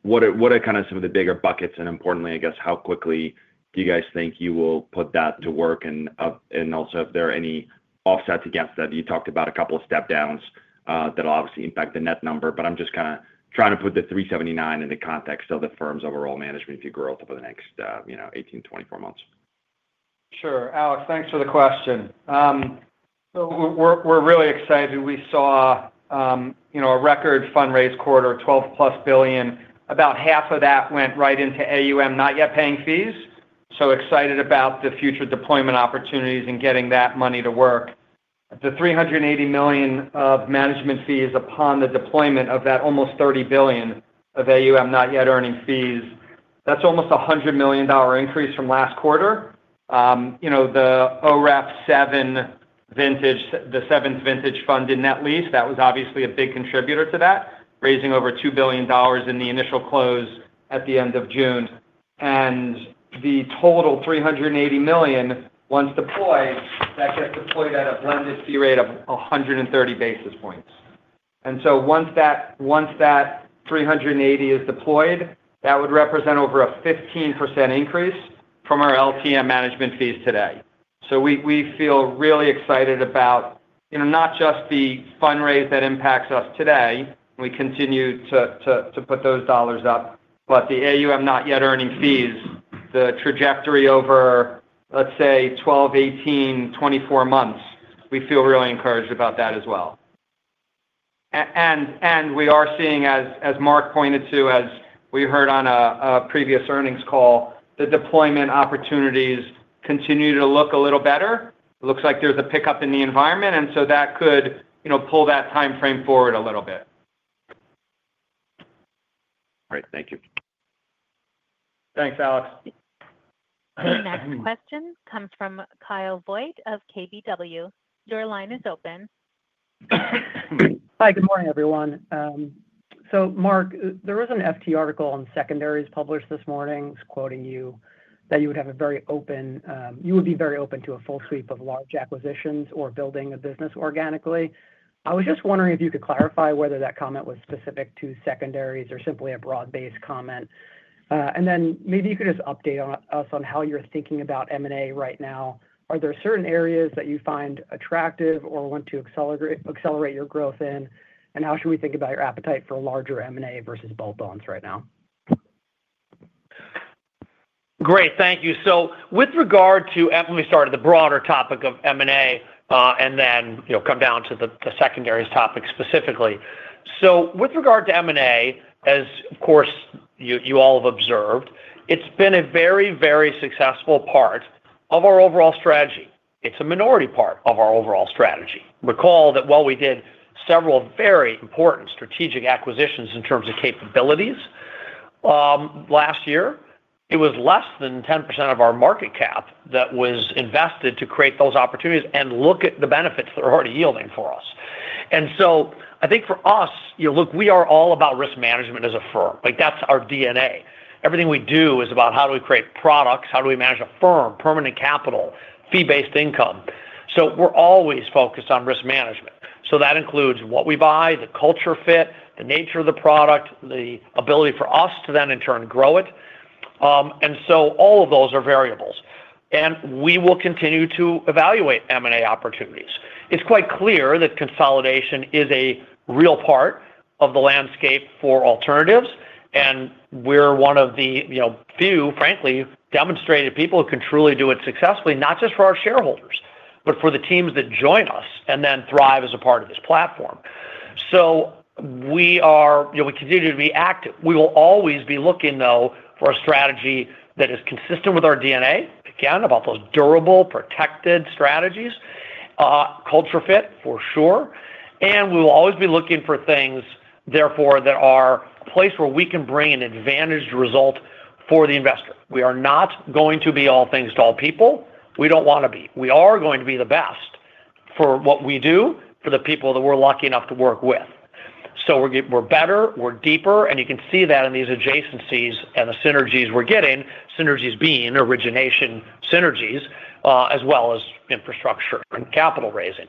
L: What are some of the bigger buckets? Importantly, how quickly do you guys think you will put that to work? Also, if there are any offsets against that? You talked about a couple of step-downs that will obviously impact the net number, but I'm just trying to put the $379 million in the context of the firm's overall management growth over the next 18-24 months.
D: Sure. Alex, thanks for the question. We're really excited. We saw a record fundraise quarter, $12-plus billion. About half of that went right into AUM not yet paying fees. Excited about the future deployment opportunities and getting that money to work. The $380 million of management fees upon the deployment of that almost $30 billion of AUM not yet earning fees, that's almost a $100 million increase from last quarter. The OREF 7 vintage, the seventh vintage fund in net lease, that was obviously a big contributor to that, raising over $2 billion in the initial close at the end of June. The total $380 million, once deployed, gets deployed at a blended fee rate of 130 basis points. Once that $380 million is deployed, that would represent over a 15% increase from our LTM management fees today. We feel really excited about not just the fundraise that impacts us today. We continue to put those dollars up, but the AUM not yet earning fees, the trajectory over, let's say, 12, 18, 24 months, we feel really encouraged about that as well. We are seeing, as Marc pointed to, as we heard on a previous earnings call, the deployment opportunities continue to look a little better. It looks like there's a pickup in the environment, and that could pull that time frame forward a little bit.
L: All right. Thank you.
C: Thanks, Alex.
A: The next question comes from Kyle Voigt of KBW. Your line is open.
M: Hi, good morning, everyone. Marc, there was an FT article on secondaries published this morning quoting you that you would be very open to a full sweep of large acquisitions or building a business organically. I was just wondering if you could clarify whether that comment was specific to secondaries or simply a broad-based comment. Maybe you could just update us on how you're thinking about M&A right now. Are there certain areas that you find attractive or want to accelerate your growth in? How should we think about your appetite for larger M&A versus bolt-ons right now?
C: Great. Thank you. With regard to—let me start at the broader topic of M&A and then come down to the secondaries topic specifically. With regard to M&A, as of course you all have observed, it's been a very, very successful part of our overall strategy. It's a minority part of our overall strategy. Recall that while we did several very important strategic acquisitions in terms of capabilities last year, it was less than 10% of our market cap that was invested to create those opportunities and look at the benefits that are already yielding for us. I think for us, look, we are all about risk management as a firm. That's our DNA. Everything we do is about how do we create products, how do we manage a firm, permanent capital, fee-based income. We're always focused on risk management. That includes what we buy, the culture fit, the nature of the product, the ability for us to then in turn grow it. All of those are variables. We will continue to evaluate M&A opportunities. It's quite clear that consolidation is a real part of the landscape for alternatives. We're one of the few, frankly, demonstrated people who can truly do it successfully, not just for our shareholders, but for the teams that join us and then thrive as a part of this platform. We continue to be active. We will always be looking, though, for a strategy that is consistent with our DNA, again, about those durable, protected strategies. Culture fit, for sure. We will always be looking for things, therefore, that are a place where we can bring an advantaged result for the investor. We are not going to be all things to all people. We don't want to be. We are going to be the best for what we do for the people that we're lucky enough to work with. We're better, we're deeper, and you can see that in these adjacencies and the synergies we're getting, synergies being origination synergies, as well as infrastructure and capital raising.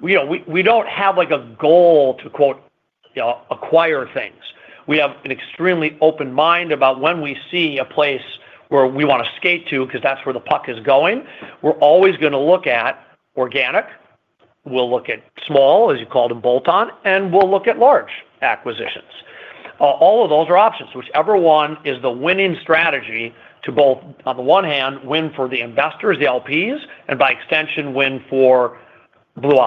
C: We don't have a goal to acquire things. We have an extremely open mind about when we see a place where we want to skate to because that's where the puck is going. We're always going to look at organic. We'll look at small, as you called them, bolt-on, and we'll look at large acquisitions. All of those are options. Whichever one is the winning strategy to both, on the one hand, win for the investors, the LPs, and by extension, win for Blue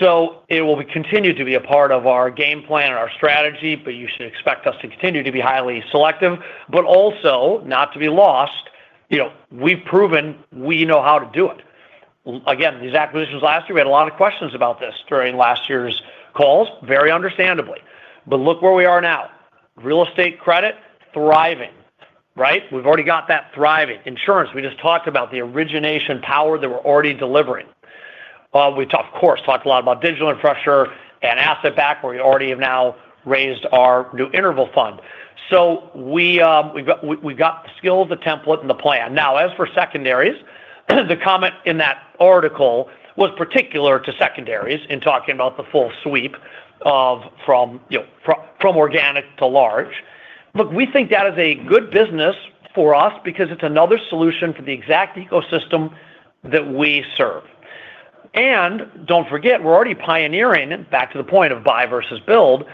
C: Owl. It will continue to be a part of our game plan and our strategy, but you should expect us to continue to be highly selective, but also not to be lost. We've proven we know how to do it. Again, these acquisitions last year, we had a lot of questions about this during last year's calls, very understandably. Look where we are now. Real estate credit thriving, right? We've already got that thriving. Insurance, we just talked about the origination power that we're already delivering. We, of course, talked a lot about digital infrastructure and asset-backed where we already have now raised our new interval fund. We've got the skill, the template, and the plan. Now, as for secondaries, the comment in that article was particular to secondaries in talking about the full sweep from organic to large. We think that is a good business for us because it's another solution for the exact ecosystem that we serve. Don't forget, we're already pioneering, back to the point of buy versus build,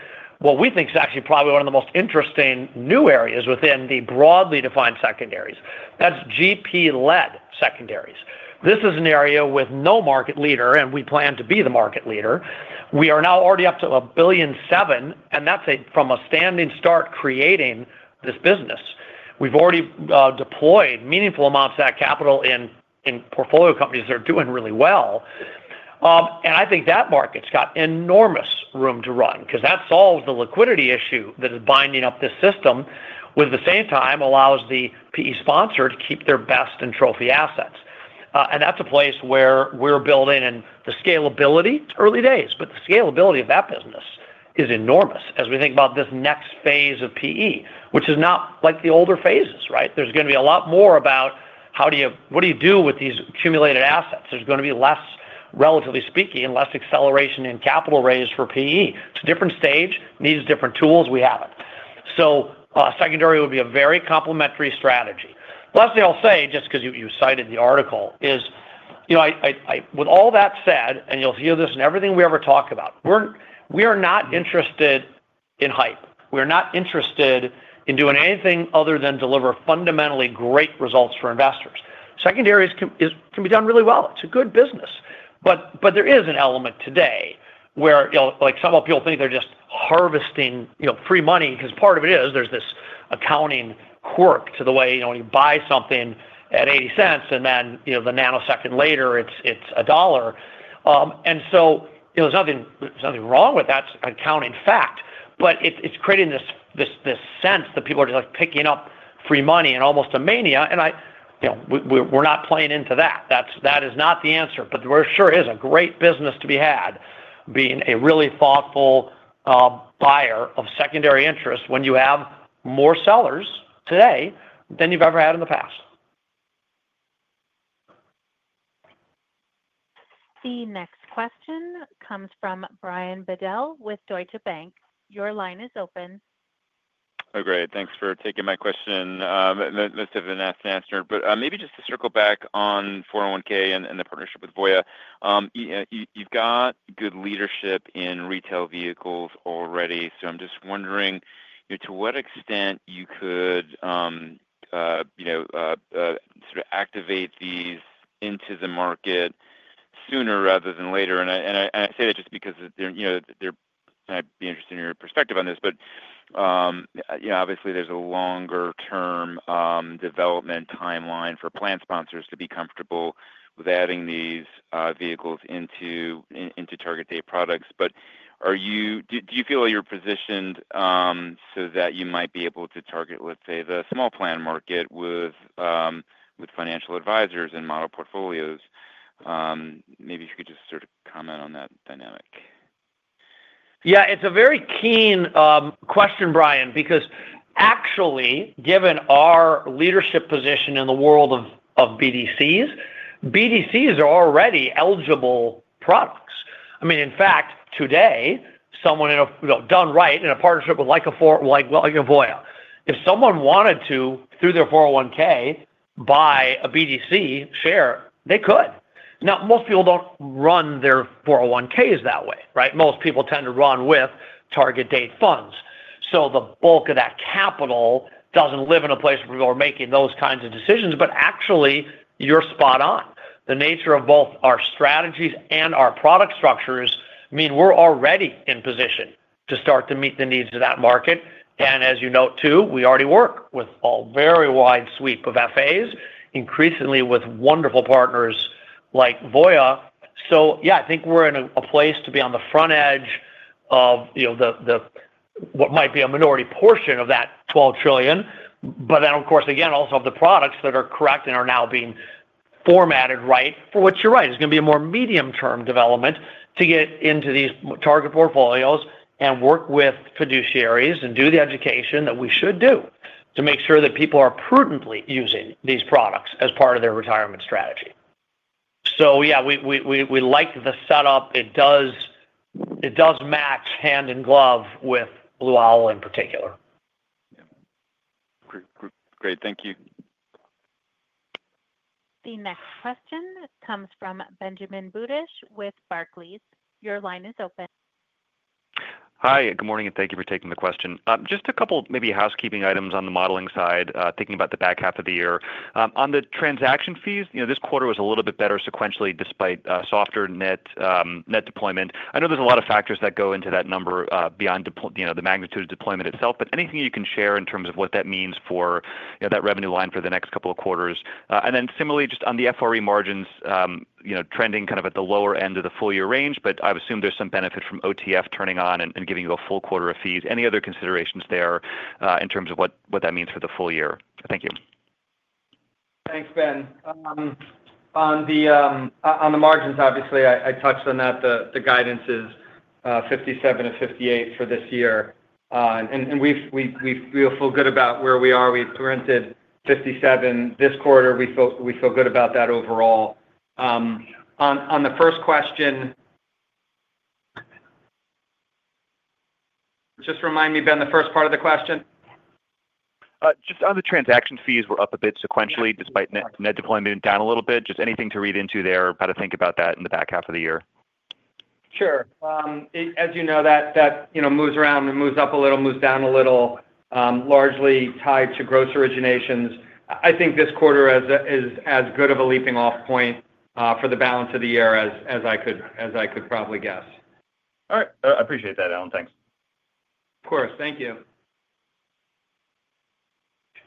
C: what we think is actually probably one of the most interesting new areas within the broadly defined secondaries. That's GP-led secondaries. This is an area with no market leader, and we plan to be the market leader. We are now already up to $1.7 billion, and that's from a standing start creating this business. We've already deployed meaningful amounts of that capital in portfolio companies that are doing really well. I think that market's got enormous room to run because that solves the liquidity issue that is binding up this system, with the same time allows the PE sponsor to keep their best and trophy assets. That's a place where we're building and the scalability. Early days, but the scalability of that business is enormous as we think about this next phase of PE, which is not like the older phases, right? There's going to be a lot more about what do you do with these accumulated assets. There's going to be less, relatively speaking, less acceleration in capital raised for PE. It's a different stage, needs different tools. We have it. Secondary would be a very complementary strategy. Lastly, I'll say, just because you cited the article, with all that said, and you'll hear this in everything we ever talk about, we are not interested in hype. We are not interested in doing anything other than deliver fundamentally great results for investors. Secondaries can be done really well. It's a good business. There is an element today where some people think they're just harvesting free money because part of it is there's this accounting quirk to the way when you buy something at $0.80 and then the nanosecond later, it's $1.00. There's nothing wrong with that accounting fact, but it's creating this sense that people are just picking up free money in almost a mania. We're not playing into that. That is not the answer. There sure is a great business to be had, being a really thoughtful buyer of secondary interest when you have more sellers today than you've ever had in the past.
A: The next question comes from Brian Bedell with Deutsche Bank. Your line is open.
N: Great, thanks for taking my question. Must have been a nasty answer. Maybe just to circle back on 401 (k) and the partnership with Voya. You've got good leadership in retail vehicles already. I'm just wondering to what extent you could sort of activate these into the market sooner rather than later. I say that just because I'd be interested in your perspective on this. Obviously, there's a longer-term development timeline for plan sponsors to be comfortable with adding these vehicles into target date products. Do you feel you're positioned so that you might be able to target, let's say, the small plan market with financial advisors and model portfolios? Maybe if you could just sort of comment on that dynamic.
C: Yeah. It's a very keen question, Brian, because actually, given our leadership position in the world of BDCs, BDCs are already eligible products. In fact, today, someone in a partnership with a company like Voya, if someone wanted to, through their 401 (k), buy a BDC share, they could. Most people don't run their 401 (k)s that way, right? Most people tend to run with target-date funds. The bulk of that capital doesn't live in a place where people are making those kinds of decisions. Actually, you're spot on. The nature of both our strategies and our product structures mean we're already in position to start to meet the needs of that market. As you note, too, we already work with a very wide sweep of FAs, increasingly with wonderful partners like Voya. I think we're in a place to be on the front edge of what might be a minority portion of that $12 trillion. Of course, again, also of the products that are correct and are now being formatted right for what you're right. It's going to be a more medium-term development to get into these target portfolios and work with fiduciaries and do the education that we should do to make sure that people are prudently using these products as part of their retirement strategy. We like the setup. It does match hand in glove with Blue Owl in particular.
N: Great. Thank you.
A: The next question comes from Benjamin Elliot Budish with Barclays. Your line is open.
O: Hi. Good morning. Thank you for taking the question. Just a couple of maybe housekeeping items on the modeling side, thinking about the back half of the year. On the transaction fees, this quarter was a little bit better sequentially despite softer net deployment. I know there's a lot of factors that go into that number beyond the magnitude of deployment itself, but anything you can share in terms of what that means for that revenue line for the next couple of quarters. Similarly, just on the FRE margins, trending kind of at the lower end of the full-year range, but I would assume there's some benefit from OTF turning on and giving you a full quarter of fees. Any other considerations there in terms of what that means for the full year? Thank you.
D: Thanks, Ben. On the margins, obviously, I touched on that. The guidance is 57%-58% for this year. We feel good about where we are. We printed 57% this quarter. We feel good about that overall. On the first question. Remind me, Ben, the first part of the question.
O: Just on the transaction fees, we're up a bit sequentially despite net deployment down a little bit. Anything to read into there, how to think about that in the back half of the year.
D: As you know, that moves around and moves up a little, moves down a little, largely tied to gross originations. I think this quarter is as good of a leaping-off point for the balance of the year as I could probably guess.
O: All right. I appreciate that, Alan. Thanks.
D: Of course. Thank you.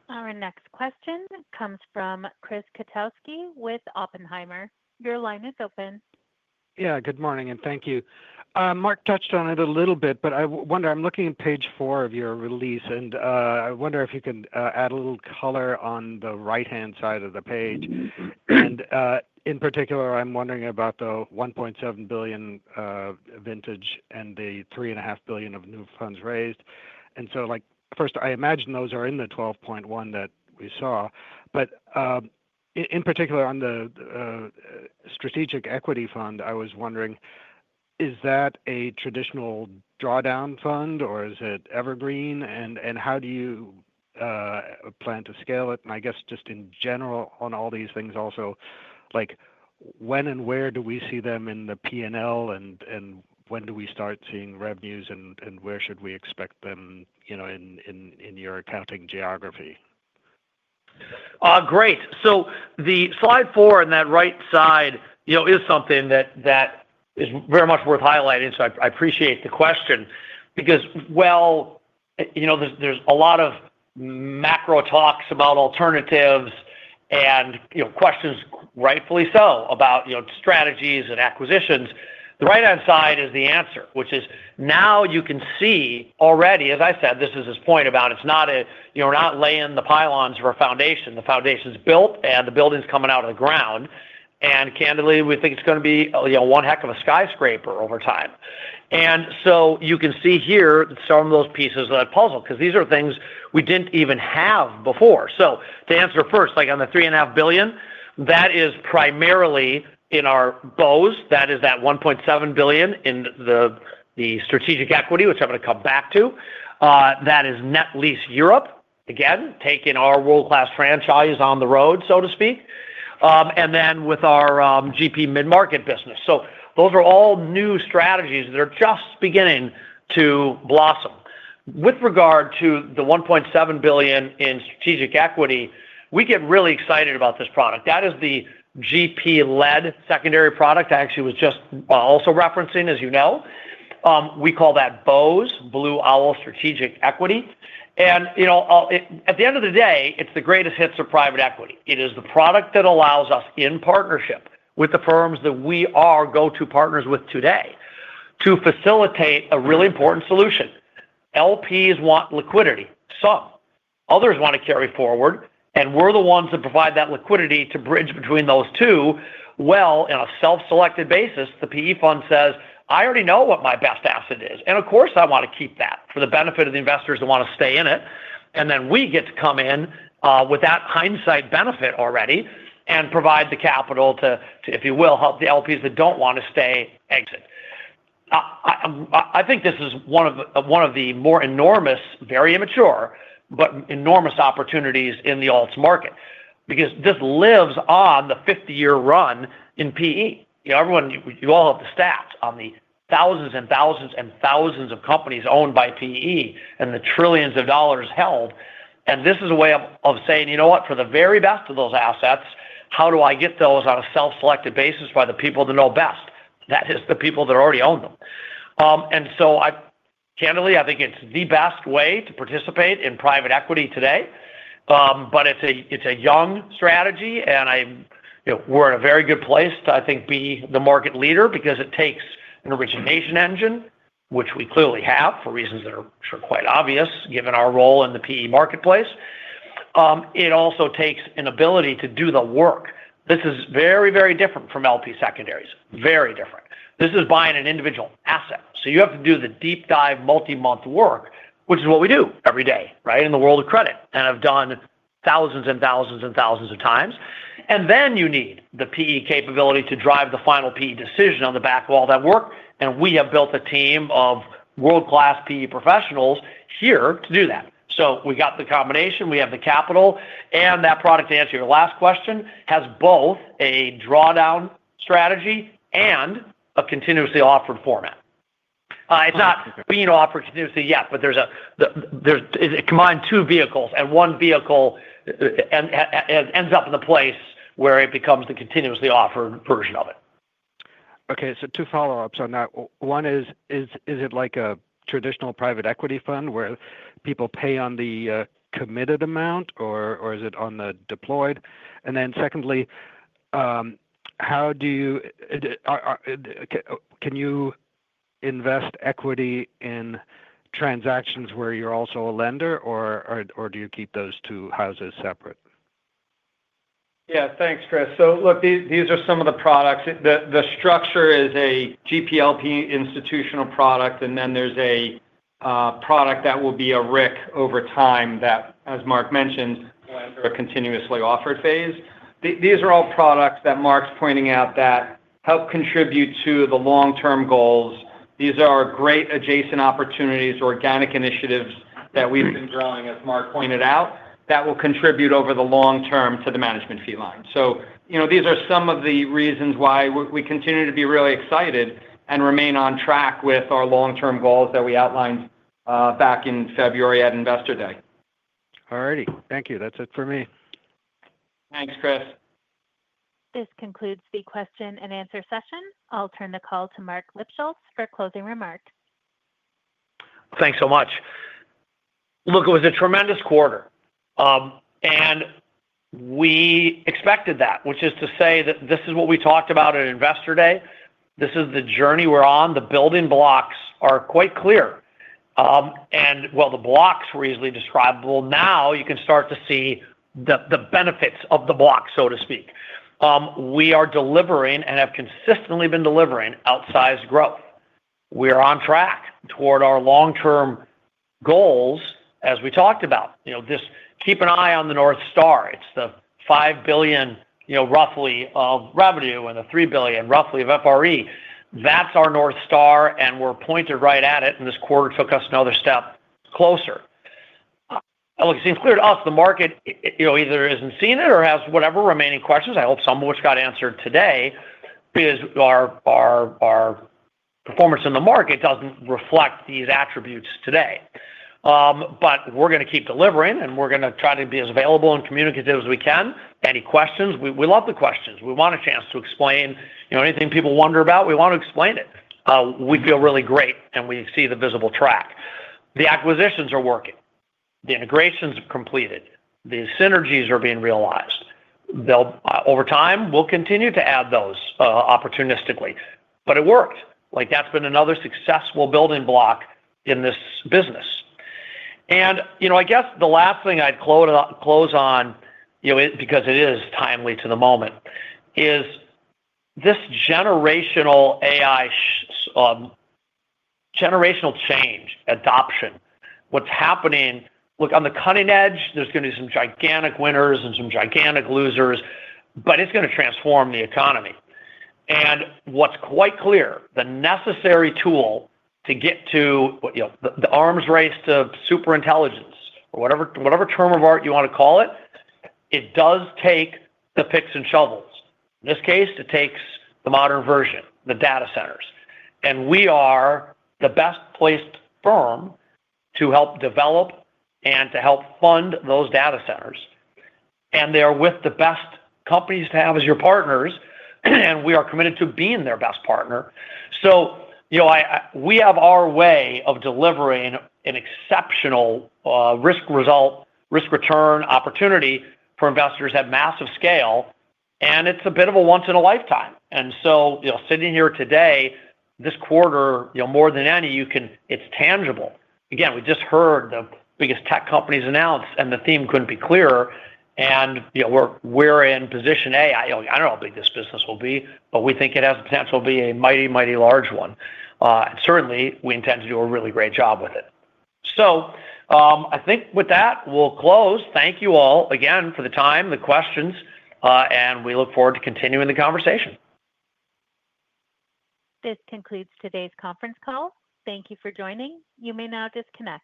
A: Our next question comes from Chris Kotowski with Oppenheimer. Your line is open.
P: Yeah. Good morning. Thank you. Marc touched on it a little bit, but I wonder, I'm looking at page four of your release, and I wonder if you can add a little color on the right-hand side of the page. In particular, I'm wondering about the $1.7 billion vintage and the $3.5 billion of new funds raised. First, I imagine those are in the $12.1 billion that we saw. In particular, on the Strategic Equity Fund, I was wondering, is that a traditional drawdown fund, or is it evergreen? How do you plan to scale it? I guess just in general on all these things also, when and where do we see them in the P&L, and when do we start seeing revenues, and where should we expect them in your accounting geography?
C: Great. The slide four on that right side is something that is very much worth highlighting. I appreciate the question because there's a lot of macro talks about alternatives and questions, rightfully so, about strategies and acquisitions. The right-hand side is the answer, which is now you can see already, as I said, this is his point about it's not laying the pylons for a foundation. The foundation's built, and the building's coming out of the ground. Candidly, we think it's going to be one heck of a skyscraper over time. You can see here some of those pieces of that puzzle because these are things we didn't even have before. To answer first, on the $3.5 billion, that is primarily in our BOWS. That is that $1.7 billion in the Strategic Equity, which I will come back to. That is net lease Europe, again, taking our world-class franchise on the road, so to speak, and then with our GP mid-market business. Those are all new strategies that are just beginning to blossom. With regard to the $1.7 billion in strategic equity, we get really excited about this product. That is the GP-led secondary product I actually was just also referencing, as you know. We call that BOWS, Blue Owl Strategic Equity. At the end of the day, it's the greatest hits of private equity. It is the product that allows us, in partnership with the firms that we are go-to partners with today, to facilitate a really important solution. LPs want liquidity, some. Others want to carry forward, and we're the ones that provide that liquidity to bridge between those two. On a self-selected basis, the PE fund says, "I already know what my best asset is, and of course I want to keep that for the benefit of the investors that want to stay in it." We get to come in, with that hindsight benefit already, and provide the capital to help the LPs that don't want to stay exit. I think this is one of the more enormous, very immature, but enormous opportunities in the alts market because this lives on the 50-year run in PE. You all have the stats on the thousands and thousands and thousands of companies owned by PE and the trillions of dollars held. This is a way of saying, "You know what? For the very best of those assets, how do I get those on a self-selected basis by the people that know best?" That is the people that already own them. Candidly, I think it's the best way to participate in private equity today. It's a young strategy, and I think we're in a very good place to be the market leader because it takes an origination engine, which we clearly have for reasons that are quite obvious given our role in the PE marketplace. It also takes an ability to do the work. This is very, very different from LP secondaries, very different. This is buying an individual asset. You have to do the deep dive, multi-month work, which is what we do every day in the world of credit, and have done thousands and thousands and thousands of times. You need the PE capability to drive the final PE decision on the back of all that work. We have built a team of world-class PE professionals here to do that. We got the combination. We have the capital. That product, to answer your last question, has both a drawdown strategy and a continuously offered format. It's not being offered continuously yet, but it combines two vehicles in one vehicle and ends up in the place where it becomes the continuously offered version of it.
P: Okay. Two follow-ups on that. One is, is it like a traditional private equity fund where people pay on the committed amount, or is it on the deployed? Secondly, how do you, can you invest equity in transactions where you're also a lender, or do you keep those two houses separate?
D: Yeah. Thanks, Chris. Look, these are some of the products. The structure is a GP/LP institutional product, and then there's a product that will be a RIC over time that, as Marc mentioned, we're in a continuously offered phase. These are all products that Marc's pointing out that help contribute to the long-term goals. These are great adjacent opportunities, organic initiatives that we've been growing, as Marc pointed out, that will contribute over the long term to the management fee line. You know, these are some of the reasons why we continue to be really excited and remain on track with our long-term goals that we outlined back in February at Investor Day.
P: All righty. Thank you. That's it for me.
D: Thanks, Chris.
A: This concludes the question and answer session. I'll turn the call to Marc Lipschultz for closing remarks.
C: Thanks so much. Look, it was a tremendous quarter. We expected that, which is to say that this is what we talked about at Investor Day. This is the journey we're on. The building blocks are quite clear, and while the blocks were easily describable, now you can start to see the benefits of the blocks, so to speak. We are delivering and have consistently been delivering outsized growth. We are on track toward our long-term goals, as we talked about. You know, keep an eye on the North Star. It's the $5 billion, you know, roughly, of revenue and the $3 billion, roughly, of FRE. That's our North Star, and we're pointed right at it, and this quarter took us another step closer. It seems clear to us the market, you know, either isn't seeing it or has whatever remaining questions. I hope some of which got answered today because our performance in the market doesn't reflect these attributes today. We are going to keep delivering, and we are going to try to be as available and communicative as we can. Any questions? We love the questions. We want a chance to explain, you know, anything people wonder about, we want to explain it. We feel really great, and we see the visible track. The acquisitions are working. The integrations are completed. The synergies are being realized. Over time, we'll continue to add those, opportunistically. It worked. That's been another successful building block in this business. I guess the last thing I'd close on, you know, because it is timely to the moment, is this generational AI, generational change adoption, what's happening. Look, on the cutting edge, there's going to be some gigantic winners and some gigantic losers, but it's going to transform the economy. What's quite clear, the necessary tool to get to, you know, the arms race to superintelligence or whatever term of art you want to call it, it does take the picks and shovels. In this case, it takes the modern version, the data centers. We are the best-placed firm to help develop and to help fund those data centers. They are with the best companies to have as your partners, and we are committed to being their best partner. You know, we have our way of delivering an exceptional, risk-return opportunity for investors at massive scale, and it's a bit of a once-in-a-lifetime. Sitting here today, this quarter, more than any, it's tangible. We just heard the biggest tech companies announce, and the theme couldn't be clearer. We're in position A. I don't know how big this business will be, but we think it has the potential to be a mighty, mighty large one. We certainly intend to do a really great job with it. I think with that, we'll close. Thank you all again for the time, the questions, and we look forward to continuing the conversation. This concludes today's conference call. Thank you for joining. You may now disconnect.